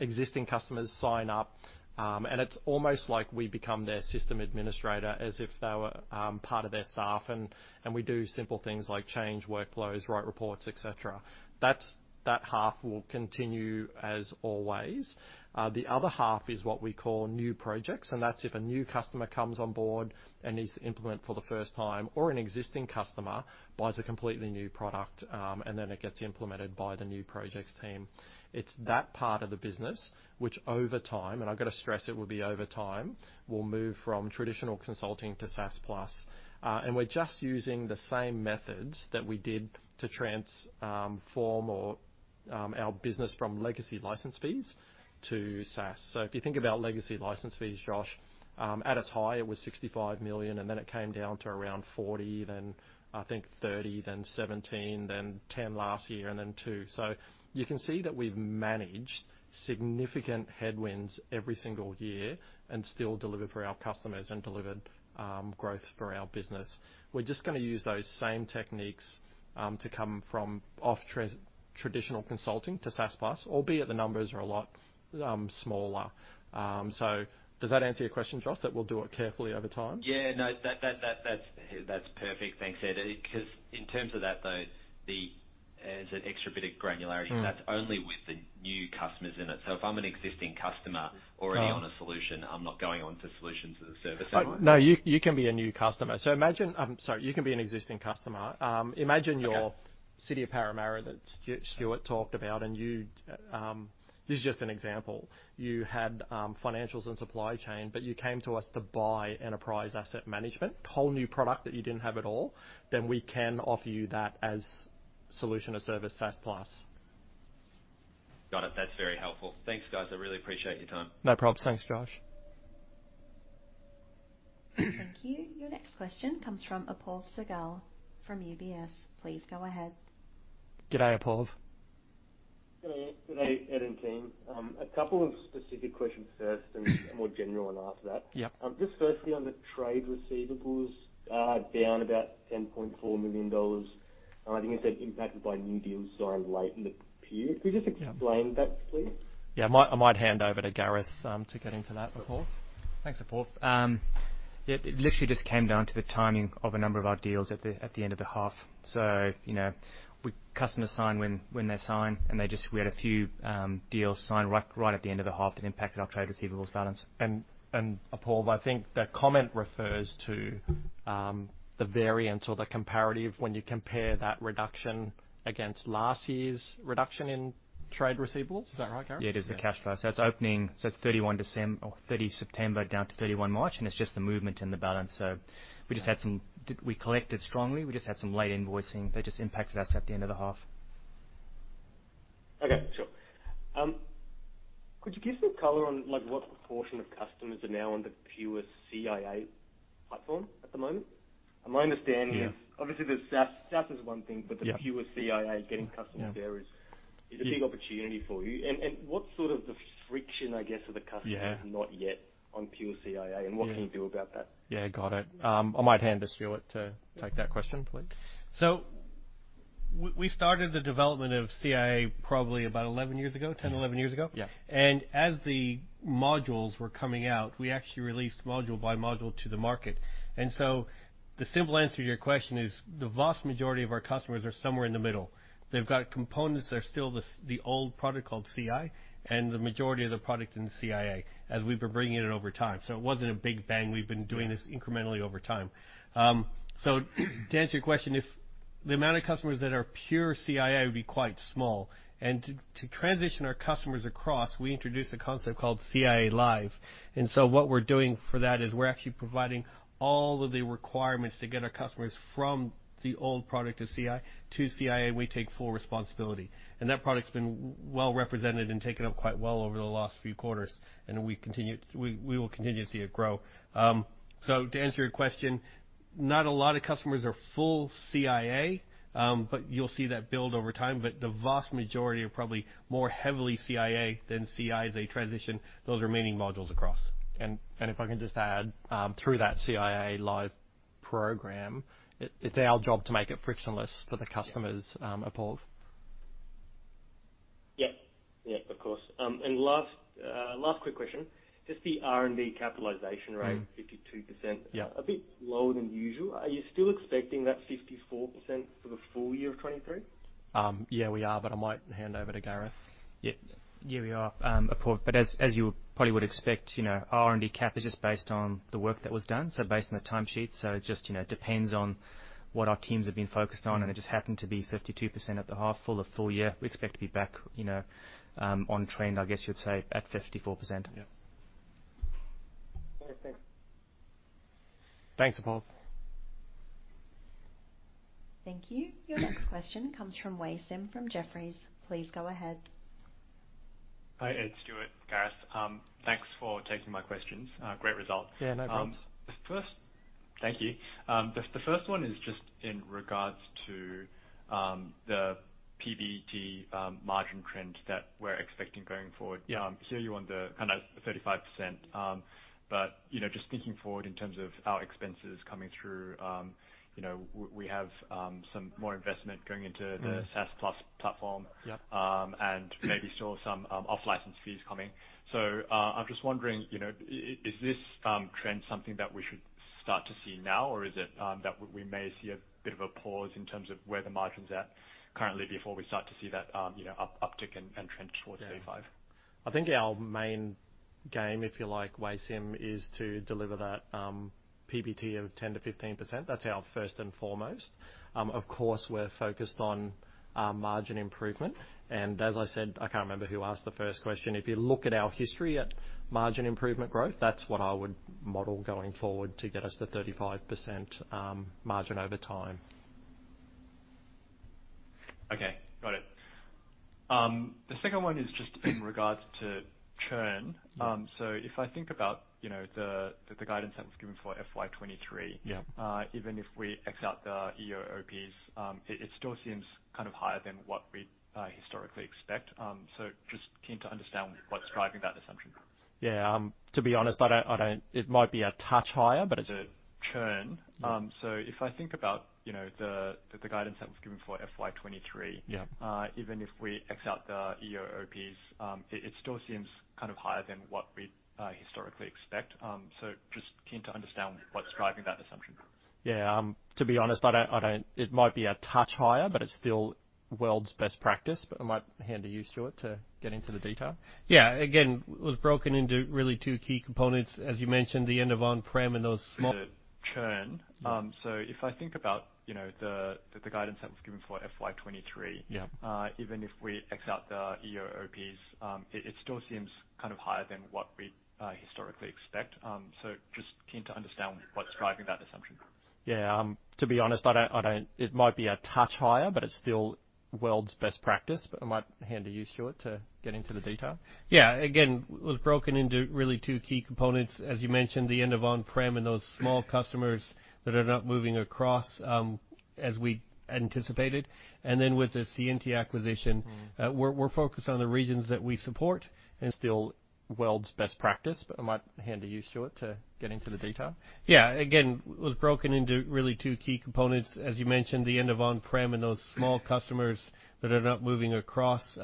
existing customers sign up, and it's almost like we become their system administrator as if they were part of their staff and we do simple things like change workflows, write reports, et cetera. That's, that half will continue as always. The other half is what we call new projects, that's if a new customer comes on board and needs to implement for the first time, or an existing customer buys a completely new product, and then it gets implemented by the new projects team. It's that part of the business which over time, and I've gotta stress it will be over time, will move from traditional consulting to SaaS+. And we're just using the same methods that we did to transform or our business from legacy license fees to SaaS. If you think about legacy license fees, Josh, at its high, it was 65 million, and then it came down to around 40 million, then I think 30 million, then 17 million, then 10 million last year, and then 2 million. You can see that we've managed significant headwinds every single year and still delivered for our customers and delivered growth for our business. We're just gonna use those same techniques to come from off traditional consulting to SaaS+, albeit the numbers are a lot smaller. Does that answer your question, Josh, that we'll do it carefully over time? Yeah. No. That's perfect. Thanks, Ed. In terms of that though, as an extra bit of granularity that's only with the new customers in it. If I'm an existing customer. No already on a solution, I'm not going on to Solution as a Service, am I? No, you can be a new customer. Imagine... Sorry. You can be an existing customer. Imagine. Okay City of Parramatta that Stuart talked about and you. This is just an example. You had financials and supply chain. You came to us to buy Enterprise Asset Management, whole new product that you didn't have at all. We can offer you that as solution or service SaaS+. Got it. That's very helpful. Thanks, guys. I really appreciate your time. No probs. Thanks, Josh. Thank you. Your next question comes from Apoorv Sehgal from UBS. Please go ahead. G'day, Apoorv. G'day, Ed and team. A couple of specific questions first and a more general one after that. Yeah. Just firstly on the trade receivables, down about 10.4 million dollars. I think you said impacted by new deals signed late in the period. Yeah. Could you just explain that, please? Yeah. I might hand over to Gareth, to get into that, Apoorv. Thanks, Apoorv. Yeah, it literally just came down to the timing of a number of our deals at the end of the half. You know, customers sign when they sign. We had a few deals sign right at the end of the half that impacted our trade receivables balance. Apoorv, I think that comment refers to the variance or the comparative when you compare that reduction against last year's reduction in trade receivables. Is that right, Gareth? It is the cash flow. That's opening, 30 September down to 31 March, it's just the movement and the balance. We collected strongly. We just had some late invoicing that just impacted us at the end of the half. Okay. Sure. Could you give some color on, like, what proportion of customers are now on the CiA platform at the moment? My understanding is. Yeah. Obviously, the SaaS is one thing. Yeah. The pure Ci Anywhere, getting customers there. Yeah Is a big opportunity for you. What's sort of the friction, I guess, for the customers? Yeah Not yet on pure CiA. Yeah What can you do about that? Yeah. Got it. I might hand to Stuart to take that question, please. we started the development of CiA probably about 11 years ago, 10, 11 years ago. Yeah. As the modules were coming out, we actually released module by module to the market. The simple answer to your question is the vast majority of our customers are somewhere in the middle. They've got components that are still the old product called Ci, and the majority of the product in the Ci Anywhere, as we've been bringing it over time. It wasn't a big bang. We've been doing this incrementally over time. To answer your question, if the amount of customers that are pure Ci Anywhere would be quite small. To transition our customers across, we introduced a concept called CiA Live. What we're doing for that is we're actually providing all of the requirements to get our customers from the old product to Ci to Ci Anywhere, and we take full responsibility. That product's been well represented and taken up quite well over the last few quarters. We will continue to see it grow. To answer your question, not a lot of customers are full CiA, but you'll see that build over time. The vast majority are probably more heavily CiA than Ci as they transition those remaining modules across. If I can just add, through that CiA Live program, it's our job to make it frictionless for the customers, Apoorv. Yeah. Yeah, of course. Last quick question. Just the R&D capitalization rate... 52%. Yeah. A bit lower than usual. Are you still expecting that 54% for the full year of 2023? Yeah, we are, but I might hand over to Gareth. Yeah. Yeah, we are, Apoorv. As, as you probably would expect, you know, R&D cap is just based on the work that was done, so based on the time sheets. It just, you know, depends on what our teams have been focused on, and it just happened to be 52% at the half full. The full year we expect to be back, you know, on trend, I guess you'd say, at 54%. Yeah. Okay. Thanks. Thanks, Apoorv. Thank you. Your next question comes from Wei Sim from Jefferies. Please go ahead. Hi, Ed, Stuart, Gareth. Thanks for taking my questions. Great results. Yeah, no probs. Thank you. The first one is just in regards to the PBT margin trend that we're expecting going forward. Yeah. hear you on the kinda 35%, but, you know, just thinking forward in terms of our expenses coming through, you know, we have, some more investment going into the SaaS+ platform. Yeah. Maybe still some off-license fees coming. I'm just wondering, you know, is this trend something that we should start to see now? Or is it that we may see a bit of a pause in terms of where the margin's at currently before we start to see that, you know, uptick and trend towards 35%? I think our main game, if you like, Wei Sim, is to deliver that PBT of 10%-15%. That's our first and foremost. Of course, we're focused on our margin improvement. As I said, I can't remember who asked the first question, if you look at our history at margin improvement growth, that's what I would model going forward to get us to 35% margin over time. Okay. Got it. The second one is just in regards to churn. Yeah. If I think about, you know, the guidance that was given for FY 2023... Yeah Even if we x out the EOOPs, it still seems kind of higher than what we historically expect. Just keen to understand what's driving that assumption. Yeah. to be honest, I don't... It might be a touch higher, but it's. The churn. If I think about, you know, the guidance that was given for FY 2023. Yeah Even if we x out the EOOPs, it still seems kind of higher than what we historically expect. Just keen to understand what's driving that assumption. Yeah. To be honest, I don't. It might be a touch higher, but it's still world's best practice. I might hand to you, Stuart, to get into the detail. Yeah. Again, it was broken into really two key components. As you mentioned, the end of on-prem and those small- The churn. If I think about, you know, the guidance that was given for FY 23. Yeah Even if we x out the EOOPs, it still seems kind of higher than what we historically expect. Just keen to understand what's driving that assumption. Yeah, to be honest, I don't. It might be a touch higher, but it's still world's best practice. I might hand to you, Stuart, to get into the detail. Yeah. Again, it was broken into really two key components. As you mentioned, the end of on-prem and those small customers that are not moving across,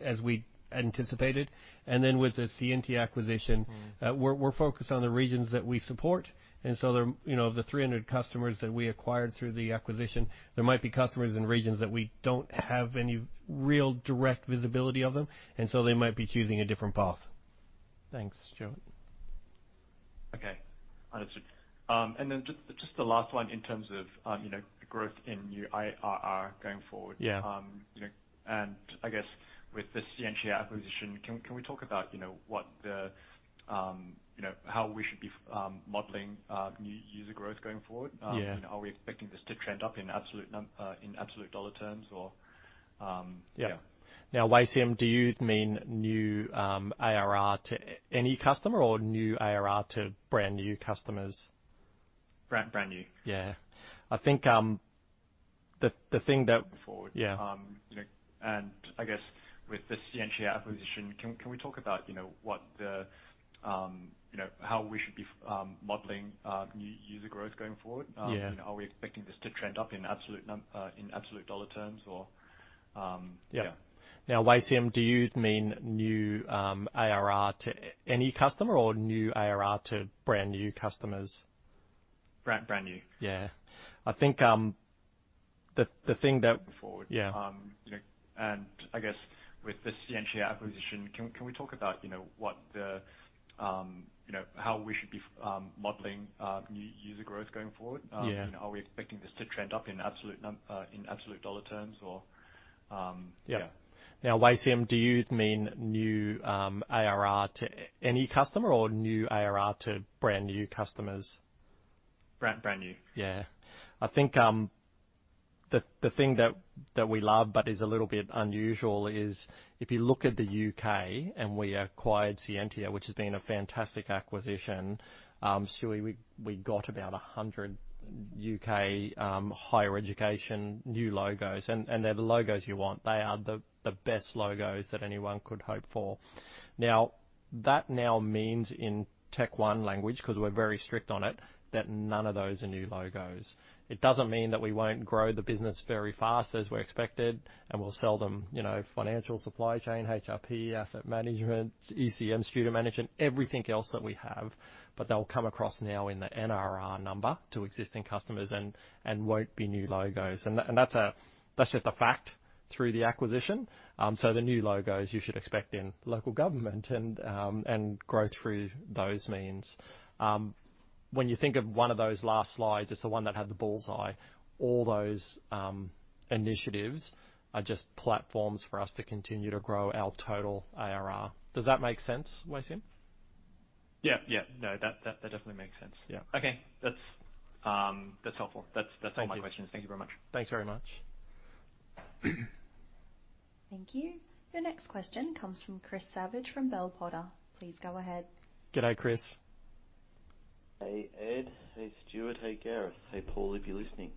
as we anticipated. With the Scientia acquisition... We're focused on the regions that we support and- Still world's best practice. I might hand to you, Stuart, to get into the detail. Yeah. Again, it was broken into really two key components. As you mentioned, the end of on-prem and those small customers that are not moving across, as we anticipated. With the Scientia acquisition. We're focused on the regions that we support. You know, of the 300 customers that we acquired through the acquisition, there might be customers in regions that we don't have any real direct visibility of them, and so they might be choosing a different path. Thanks, Stuart. Okay. Understood. Then just the last one in terms of, you know, growth in new IRR going forward. Yeah. You know, I guess with the Scientia acquisition, can we talk about, you know, what the, you know, how we should be modeling new user growth going forward? Yeah. You know, are we expecting this to trend up in absolute AUD terms? Yeah. Yeah. Wei Sim, do you mean new, ARR to any customer or new ARR to brand-new customers? Brand, brand new. Yeah. I think, the thing that- Going forward. Yeah. You know, I guess with the Scientia acquisition, can we talk about, you know, what the, you know, how we should be modeling new user growth going forward? Yeah. You know, are we expecting this to trend up in absolute AUD terms or? Yeah. Yeah. Wei Sim, do you mean new, ARR to any customer or new ARR to brand-new customers? Brand, brand new. Yeah. I think, the thing that Going forward. Yeah. You know, I guess with the Scientia acquisition, can we talk about, you know, what the, you know, how we should be modeling new user growth going forward? Yeah. You know, are we expecting this to trend up in absolute AUD terms or? Yeah. Yeah. Wei Sim, do you mean new ARR to any customer or new ARR to brand-new customers? Brand new. I think the thing that we love but is a little bit unusual is if you look at the U.K. and we acquired Scientia, which has been a fantastic acquisition, Stuart, we got about 100 U.K. higher education new logos. They're the logos you want. They are the best logos that anyone could hope for. That now means in TechOne language, 'cause we're very strict on it, that none of those are new logos. It doesn't mean that we won't grow the business very fast as we're expected, and we'll sell them, you know, financial supply chain, HRP, asset management, ECM, student management, everything else that we have. They'll come across now in the NRR number to existing customers and won't be new logos. That's just a fact through the acquisition. The new logos you should expect in local government and growth through those means. When you think of one of those last slides, it's the one that had the bullseye. All those initiatives are just platforms for us to continue to grow our total ARR. Does that make sense, Wei Sim? Yeah. Yeah. No, that, that definitely makes sense. Yeah. Okay. That's helpful. That's all my questions. Thank you. Thank you very much. Thanks very much. Thank you. Your next question comes from Chris Savage from Bell Potter. Please go ahead. G'day, Chris. Hey, Ed. Hey, Stuart. Hey, Gareth. Hey, Paul, if you're listening.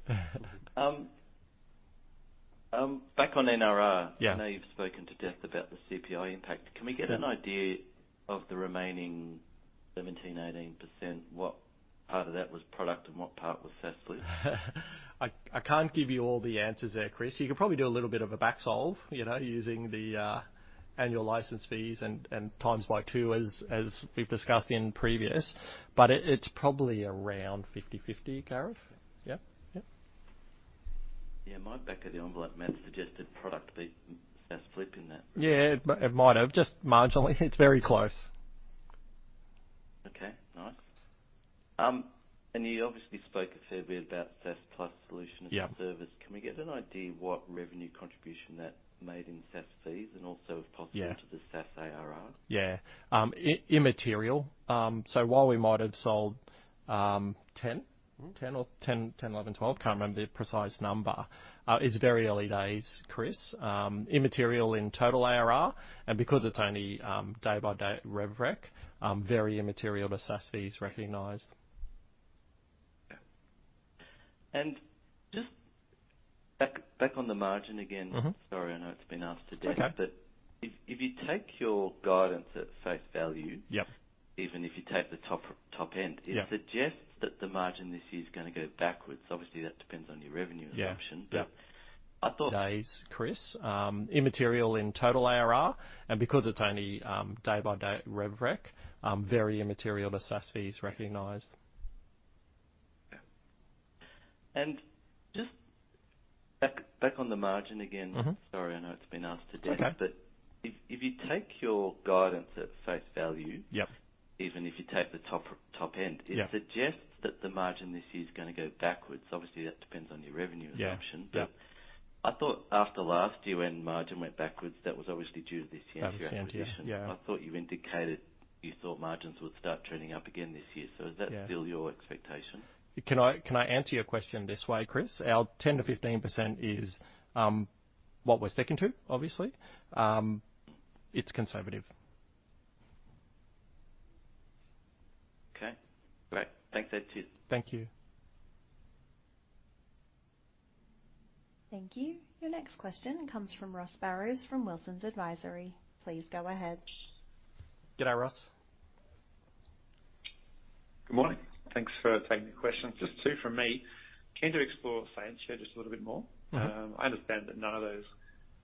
Back on NRR. Yeah. I know you've spoken to death about the CPI impact. Yeah. Can we get an idea of the remaining 17%, 18%, what part of that was product and what part was SaaS lift? I can't give you all the answers there, Chris. You could probably do a little bit of a back solve, you know, using the annual license fees and times by two as we've discussed in previous. It's probably around 50/50, Gareth? Yeah. Yeah. Yeah. My back of the envelope math suggested product beat SaaS lift in that. Yeah. It might have, just marginally. It's very close. Okay. Nice. You obviously spoke a fair bit about SaaS+ solution and service. Yeah. Can we get an idea what revenue contribution that made in SaaS fees and also, if possible- Yeah. to the SaaS ARR? Yeah. immaterial. while we might have sold, 10? 10 or 10, 11, 12. Can't remember the precise number. It's very early days, Chris. Immaterial in total ARR. Because it's only day by day rev rec, very immaterial to SaaS fees recognized. Yeah. Can I answer your question this way, Chris? Our 10%-15% is what we're sticking to, obviously. It's conservative. Okay. Great. Thanks, that's it. Thank you. Thank you. Your next question comes from Ross Barrows from Wilsons Advisory. Please go ahead. Good day, Ross. Good morning. Thanks for taking the questions. Just two from me. Keen to explore Scientia just a little bit more. I understand that none of those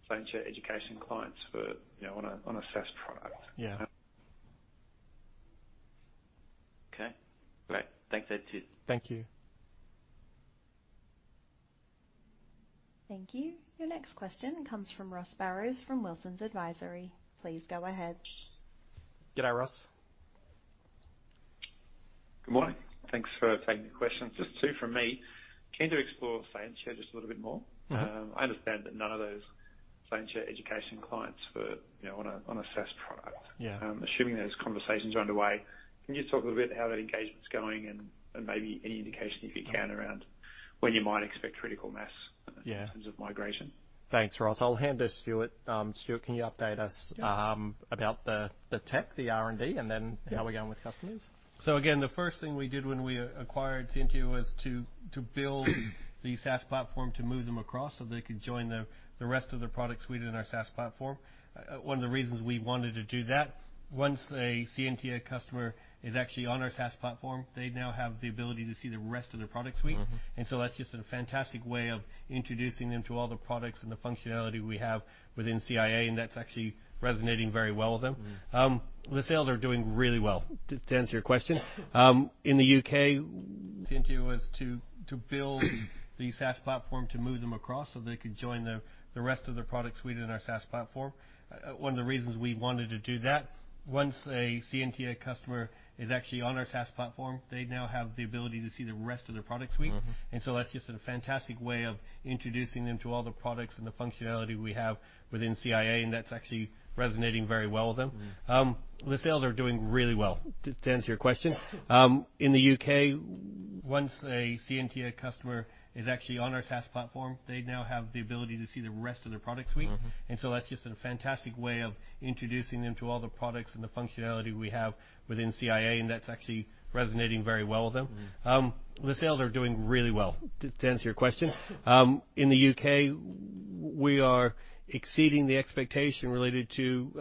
Scientia education clients were, you know, on a SaaS product. Yeah. Okay, great. Thanks, that's it. Thank you. Thank you. Your next question comes from Ross Barrows from Wilsons Advisory. Please go ahead. Good day, Ross. Good morning. Thanks for taking the questions. Just two from me. Keen to explore Scientia just a little bit more. I understand that none of those Scientia education clients were, you know, on a, on a SaaS product. Yeah. Assuming those conversations are underway, can you talk a little bit how that engagement's going and maybe any indication, if you can, around when you might expect critical mass? Yeah in terms of migration? Thanks, Ross. I'll hand to Stuart. Stuart, can you update us about the tech, the R&D, and then how we're going with customers? Again, the first thing we did when we acquired Scientia was to build the SaaS platform to move them across so they could join the rest of their product suite in our SaaS platform. One of the reasons we wanted to do that, once a Scientia customer is actually on our SaaS platform, they now have the ability to see the rest of their product suite. That's just a fantastic way of introducing them to all the products and the functionality we have within CiA, and that's actually resonating very well with them. The sales are doing really well. To answer your question, Scientia was to build the SaaS platform to move them across so they could join the rest of their product suite in our SaaS platform. One of the reasons we wanted to do that, once a Scientia customer is actually on our SaaS platform, they now have the ability to see the rest of their product suite. That's just a fantastic way of introducing them to all the products and the functionality we have within CiA, and that's actually resonating very well with them. The sales are doing really well. To answer your question, in the U.K., we are exceeding the expectation related to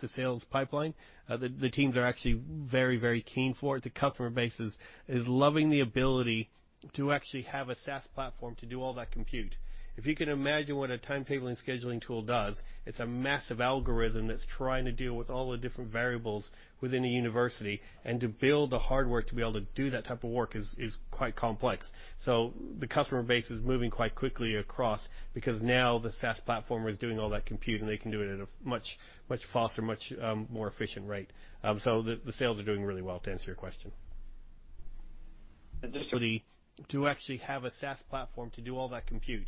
the sales pipeline. The teams are actually very, very keen for it. The customer base is loving the ability to actually have a SaaS platform to do all that compute.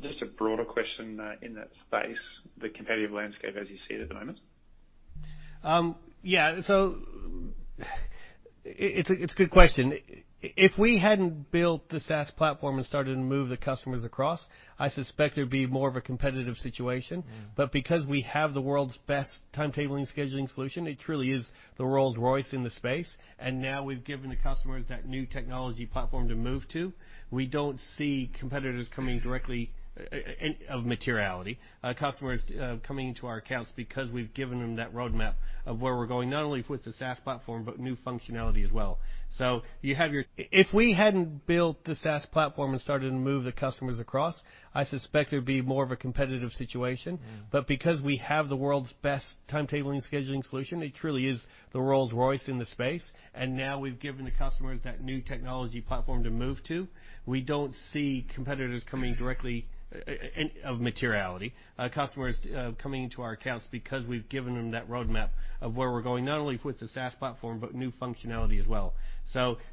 Just a broader question, in that space, the competitive landscape as you see it at the moment. Yeah, it's a good question. If we hadn't built the SaaS platform and started to move the customers across, I suspect it would be more of a competitive situation. Because we have the world's best timetabling scheduling solution, it truly is the Rolls-Royce in the space, and now we've given the customers that new technology platform to move to. We don't see competitors coming directly of materiality, customers coming into our accounts because we've given them that roadmap of where we're going, not only with the SaaS platform, but new functionality as well. If we hadn't built the SaaS platform and started to move the customers across, I suspect it would be more of a competitive situation. Because we have the world's best timetabling scheduling solution, it truly is the Rolls-Royce in the space, and now we've given the customers that new technology platform to move to. We don't see competitors coming directly in, of materiality, customers coming into our accounts because we've given them that roadmap of where we're going, not only with the SaaS platform, but new functionality as well.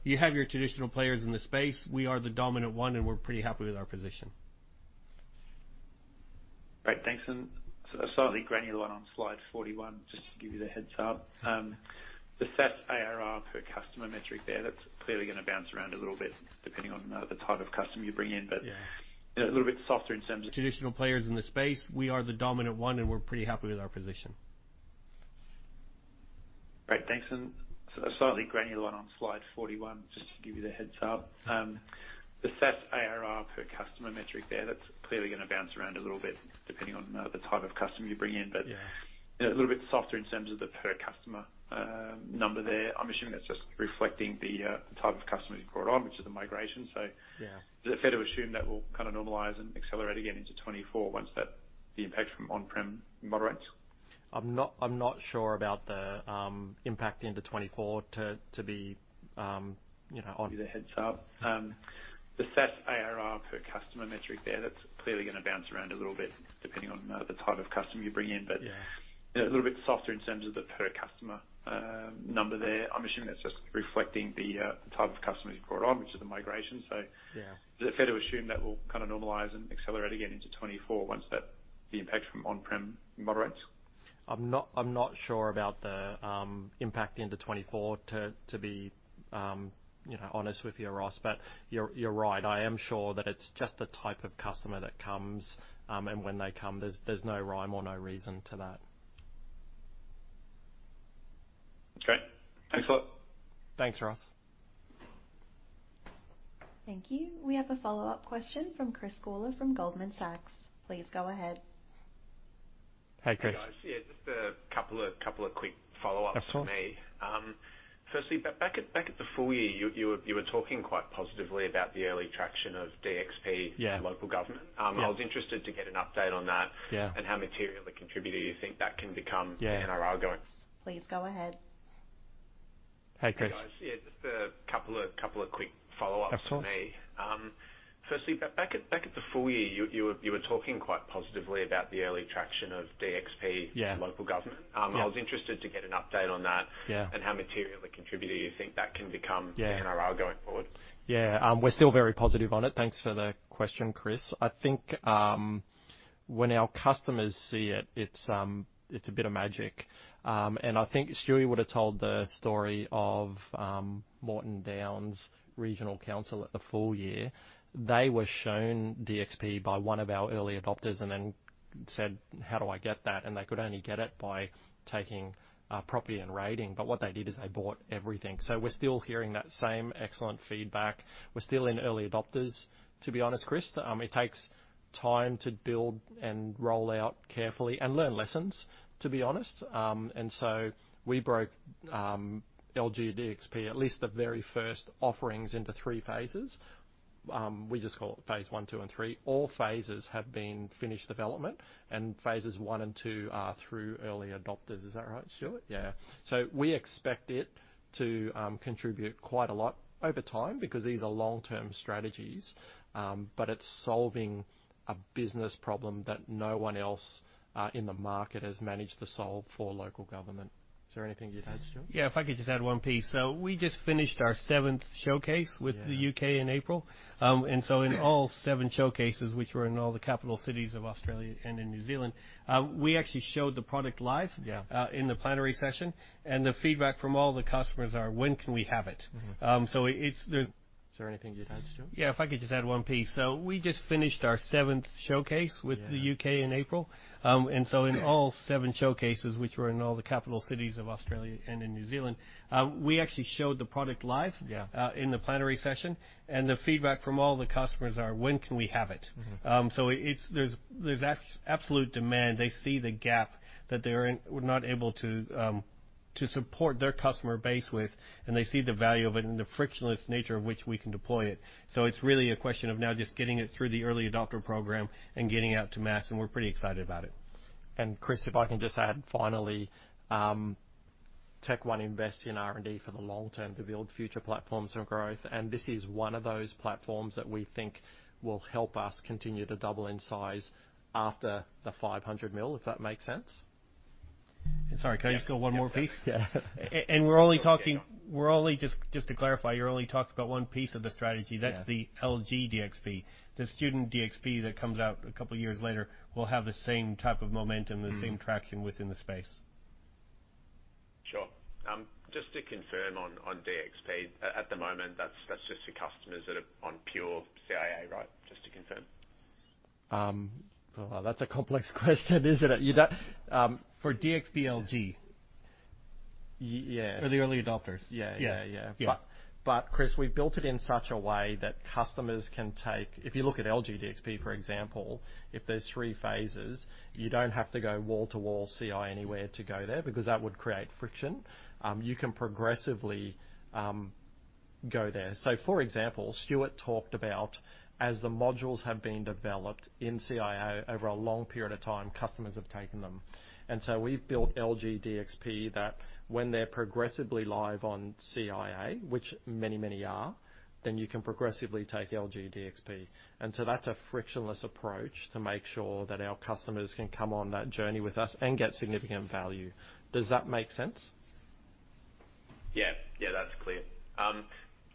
You have your traditional players in the space. We are the dominant one, and we're pretty happy with our position. Great. Thanks. A slightly granular one on slide 41, just to give you the heads up. The SaaS ARR per customer metric there, that's clearly gonna bounce around a little bit depending on the type of customer you bring in. Yeah a little bit softer in terms of Traditional players in the space. We are the dominant one, and we're pretty happy with our position. Great. Thanks. A slightly granular one on slide 41, just to give you the heads up. The SaaS ARR per customer metric there, that's clearly gonna bounce around a little bit depending on the type of customer you bring in. Yeah a little bit softer in terms of the per customer, number there. I'm assuming that's just reflecting the type of customers you've brought on, which is a migration. Yeah is it fair to assume that will kinda normalize and accelerate again into 2024 once the impact from on-prem moderates? I'm not sure about the impact into 2024 to be, you know. Give you the heads up. The SaaS ARR per customer metric there, that's clearly gonna bounce around a little bit depending on the type of customer you bring in, but. Yeah. You know, a little bit softer in terms of the per customer, number there. I'm assuming that's just reflecting the type of customers you've brought on, which is a migration. Yeah. Is it fair to assume that will kinda normalize and accelerate again into 2024 once that the impact from on-prem moderates? I'm not sure about the impact into 2024, to be, you know, honest with you, Ross. You're right. I am sure that it's just the type of customer that comes, and when they come. There's no rhyme or no reason to that. Great. Thanks a lot. Thanks, Ross. Thank you. We have a follow-up question from Chris Gawler from Goldman Sachs. Please go ahead. Hey, Chris. Hey, guys. Yeah, just a couple of quick follow-ups from me. Of course. firstly, back at the full year, you were talking quite positively about the early traction of DxP Yeah. for local government. Yeah. I was interested to get an update on that. Yeah. How materially contributing you think that can become? Yeah. in our arguments. Please go ahead. Hey, Chris. Hey, guys. Yeah, just a couple of quick follow-ups from me. Of course. firstly, back at the full year, you were talking quite positively about the early traction of DxP Yeah. -for local government. Yeah. I was interested to get an update on that. Yeah. How materially contributing you think that can become? Yeah. in our arguments. Yeah. We're still very positive on it. Thanks for the question, Chris. I think when our customers see it's a bit of magic. I think Stuart would've told the story of Moreton Bay Regional Council at the full year. They were shown DxP by one of our early adopters and then said: "How do I get that?" They could only get it by taking Property & Rating, but what they did is they bought everything. We're still hearing that same excellent feedback. We're still in early adopters, to be honest, Chris. It takes time to build and roll out carefully and learn lessons, to be honest. We broke LG DxP, at least the very first offerings, into three phases. We just call it phase I, II, and III. All phases have been finished development, and phases I and II are through early adopters. Is that right, Stuart? Yeah. We expect it to contribute quite a lot over time because these are long-term strategies. It's solving a business problem that no one else in the market has managed to solve for local government. Is there anything you'd add, Stuart? Yeah, if I could just add one piece. We just finished our seventh showcase with the U.K. in April. In all seven showcases, which were in all the capital cities of Australia and in New Zealand, we actually showed the product live. Yeah. in the plenary session, the feedback from all the customers are: When can we have it? Um, so it's... There's- Is there anything you'd add, Stuart? Yeah, if I could just add one piece. We just finished our seventh showcase with the U.K. in April. In all seven showcases, which were in all the capital cities of Australia and in New Zealand, we actually showed the product live. Yeah. in the plenary session, the feedback from all the customers are: When can we have it? There's absolute demand. They see the gap that they're in, we're not able to support their customer base with, and they see the value of it and the frictionless nature of which we can deploy it. It's really a question of now just getting it through the early adopter program and getting it out to mass, and we're pretty excited about it. Chris, if I can just add finally, TechOne invests in R&D for the long term to build future platforms for growth, and this is one of those platforms that we think will help us continue to double in size after the 500 million, if that makes sense. Sorry, can I just go one more piece? Yeah. We're only talking, we're only just to clarify, you're only talking about one piece of the strategy. Yeah. That's the LG DxP. The student DxP that comes out a couple of years later will have the same type of momentum the same traction within the space. Sure. Just to confirm on DXP, at the moment, that's just for customers that are on pure CiA, right? Just to confirm. Well, that's a complex question, isn't it? You don't. For DxP LG. Ye-yes. For the early adopters. Yeah. Yeah. Yeah, yeah. Yeah. Chris, we've built it in such a way that customers can take... If you look at LG DXP, for example, if there's three phases, you don't have to go wall to wall Ci Anywhere to go there because that would create friction. You can progressively go there. For example, Stuart talked about as the modules have been developed in Ci over a long period of time, customers have taken them. We've built LG DXP that when they're progressively live on CiA, which many, many are, then you can progressively take LG DXP. That's a frictionless approach to make sure that our customers can come on that journey with us and get significant value. Does that make sense? Yeah. Yeah, that's clear.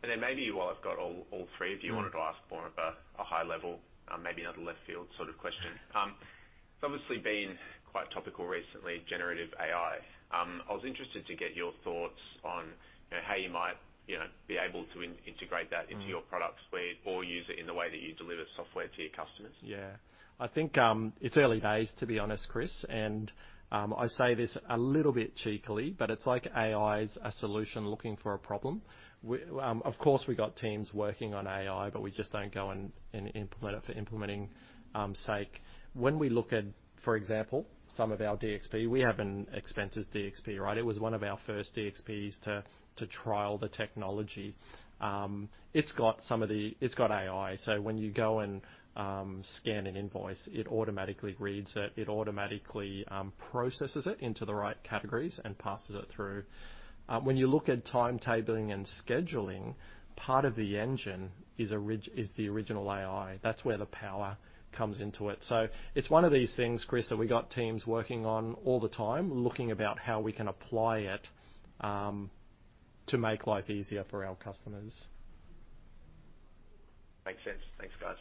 Maybe while I've got all three of you wanted to ask more of a high level, maybe another left field sort of question. It's obviously been quite topical recently, generative AI. I was interested to get your thoughts on, you know, how you might, you know, be able to integrate that into your product suite or use it in the way that you deliver software to your customers? I think it's early days, to be honest, Chris, and I say this a little bit cheekily, but it's like AI is a solution looking for a problem. We, of course, we got teams working on AI, but we just don't go and implement it for implementing sake. When we look at, for example, some of our DXP, we have an expenses DXP, right? It was one of our first DXPs to trial the technology. It's got AI. When you go and scan an invoice, it automatically reads it automatically processes it into the right categories and passes it through. When you look at timetabling and scheduling, part of the engine is the original AI. That's where the power comes into it. It's one of these things, Chris, that we got teams working on all the time, looking about how we can apply it, to make life easier for our customers. Makes sense. Thanks, guys.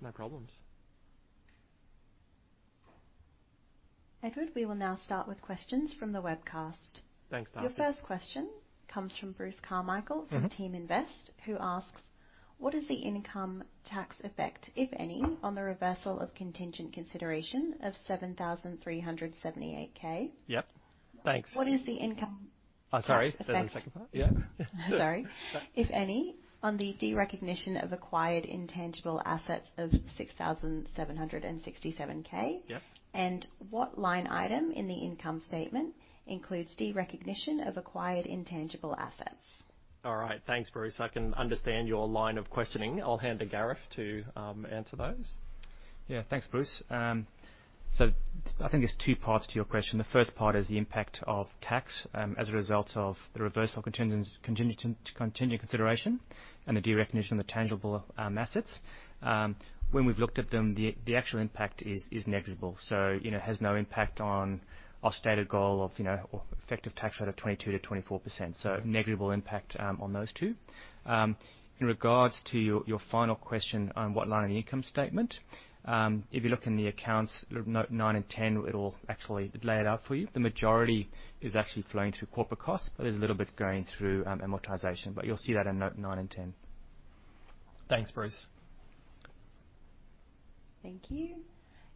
No problems. Edward, we will now start with questions from the webcast. Thanks, Darcy. Your first question comes from Bruce Carmichael from Teaminvest, who asks, "What is the income tax effect, if any, on the reversal of contingent consideration of 7,378K? Yep. Thanks. What is the income- Oh, sorry. There's a second part. Sorry. If any, on the derecognition of acquired intangible assets of 6,767K. Yep. What line item in the income statement includes derecognition of acquired intangible assets? All right. Thanks, Bruce. I can understand your line of questioning. I'll hand to Gareth to answer those. Yeah. Thanks, Bruce. I think there's two parts to your question. The first part is the impact of tax as a result of the reversal contingent consideration and the derecognition of the tangible assets. When we've looked at them, the actual impact is negligible. You know, has no impact on our stated goal of, you know, effective tax rate of 22%-24%. Negligible impact on those two. In regards to your final question on what line in the income statement, if you look in the accounts note nine and 10, it'll actually lay it out for you. The majority is actually flowing through corporate costs, but there's a little bit going through amortization, but you'll see that in note nine and 10. Thanks, Bruce. Thank you.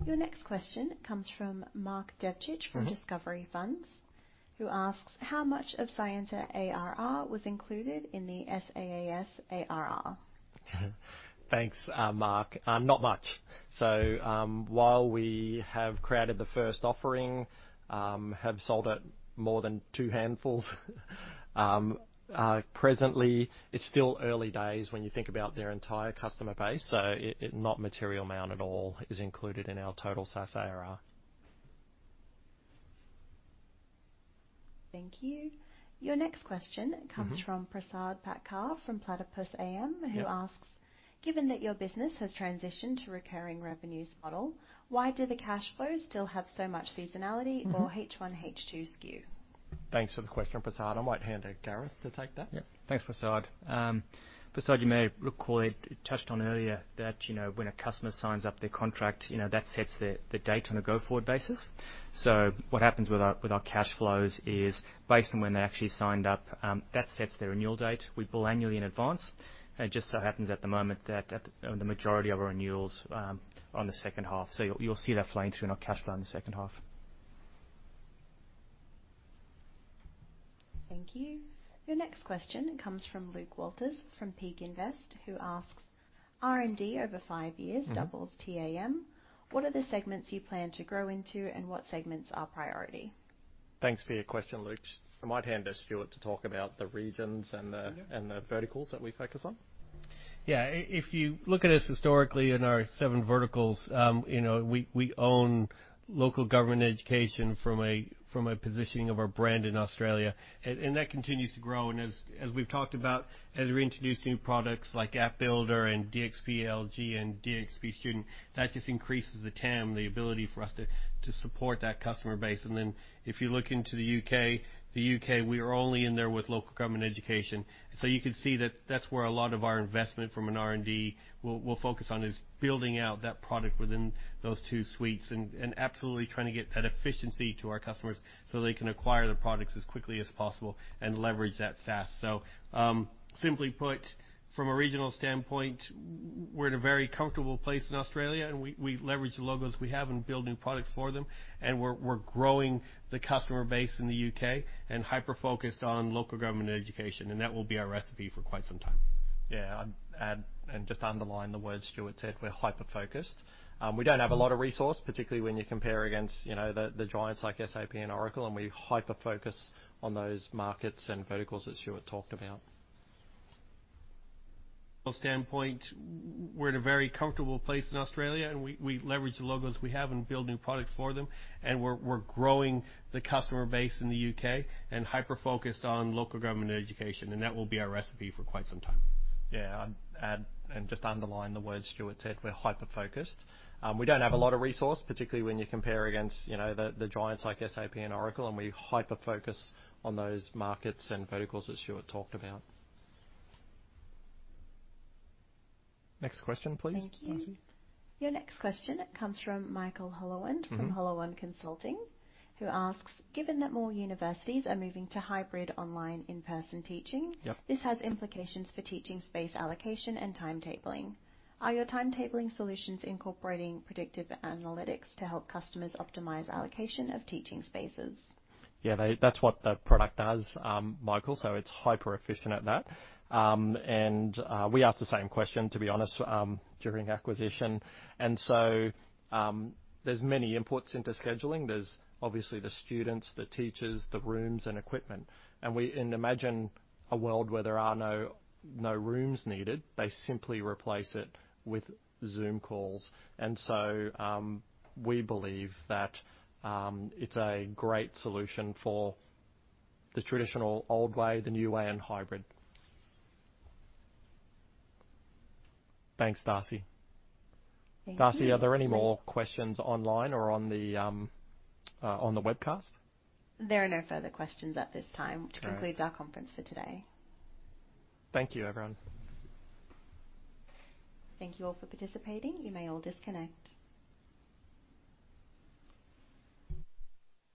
Your next question comes from Marc D'Annunzio from Discovery Funds, who asks, "How much of Scientia ARR was included in the SaaS ARR? Thanks, Marc. Not much. So, while we have created the first offering, have sold it more than two handfuls. Presently it's still early days when you think about their entire customer base. Not material amount at all is included in our total SaaS ARR. Thank you. Your next question comes from Prasad Patkar from Platypus AM. Yep Who asks, "Given that your business has transitioned to recurring revenues model, why do the cash flows still have so much seasonality or H1 H2 SKU? Thanks for the question, Prasad. I might hand to Gareth to take that. Yeah. Thanks, Prasad. Prasad, you may recall it touched on earlier that, you know, when a customer signs up their contract, you know, that sets the date on a go-forward basis. What happens with our cash flows is based on when they actually signed up, that sets their renewal date. We bill annually in advance. It just so happens at the moment that the majority of our renewals are on the second half. You'll see that flowing through in our cash flow in the second half. Thank you. Your next question comes from Luke Walters from Peak Invest, who asks, "R&D over five years doubles TAM, what are the segments you plan to grow into and what segments are priority? Thanks for your question, Luke. I might hand to Stuart to talk about the regions. Yeah The verticals that we focus on. Yeah. If you look at us historically in our seven verticals, you know, we own local government education from a positioning of our brand in Australia. That continues to grow. As we've talked about, as we introduce new products like App Builder and DxP LG and DxP Student, that just increases the TAM, the ability for us to support that customer base. If you look into the U.K., the U.K., we are only in there with local government education. You can see that that's where a lot of our investment from an R&D will focus on is building out that product within those two suites and absolutely trying to get that efficiency to our customers so they can acquire the products as quickly as possible and leverage that SaaS. Simply put, from a regional standpoint, we're in a very comfortable place in Australia, and we leverage the logos we have and build new products for them. We're growing the customer base in the U.K. and hyper-focused Next question, please. Thank you. Darcy. Your next question comes from Michael Hollewand from Hollewand Consulting, who asks, "Given that more universities are moving to hybrid online in-person teaching- Yep This has implications for teaching space allocation and timetabling. Are your timetabling solutions incorporating predictive analytics to help customers optimize allocation of teaching spaces? Yeah, that's what the product does, Michael, so it's hyper-efficient at that. We asked the same question to be honest, during acquisition. There's many inputs into scheduling. There's obviously the students, the teachers, the rooms and equipment. Imagine a world where there are no rooms needed. They simply replace it with Zoom calls. We believe that, it's a great solution for the traditional old way, the new way and hybrid. Thanks, Darcy. Thank you. Darcy, are there any more questions online or on the webcast? There are no further questions at this time. All right. Which concludes our conference for today. Thank you, everyone. Thank you all for participating. You may all disconnect.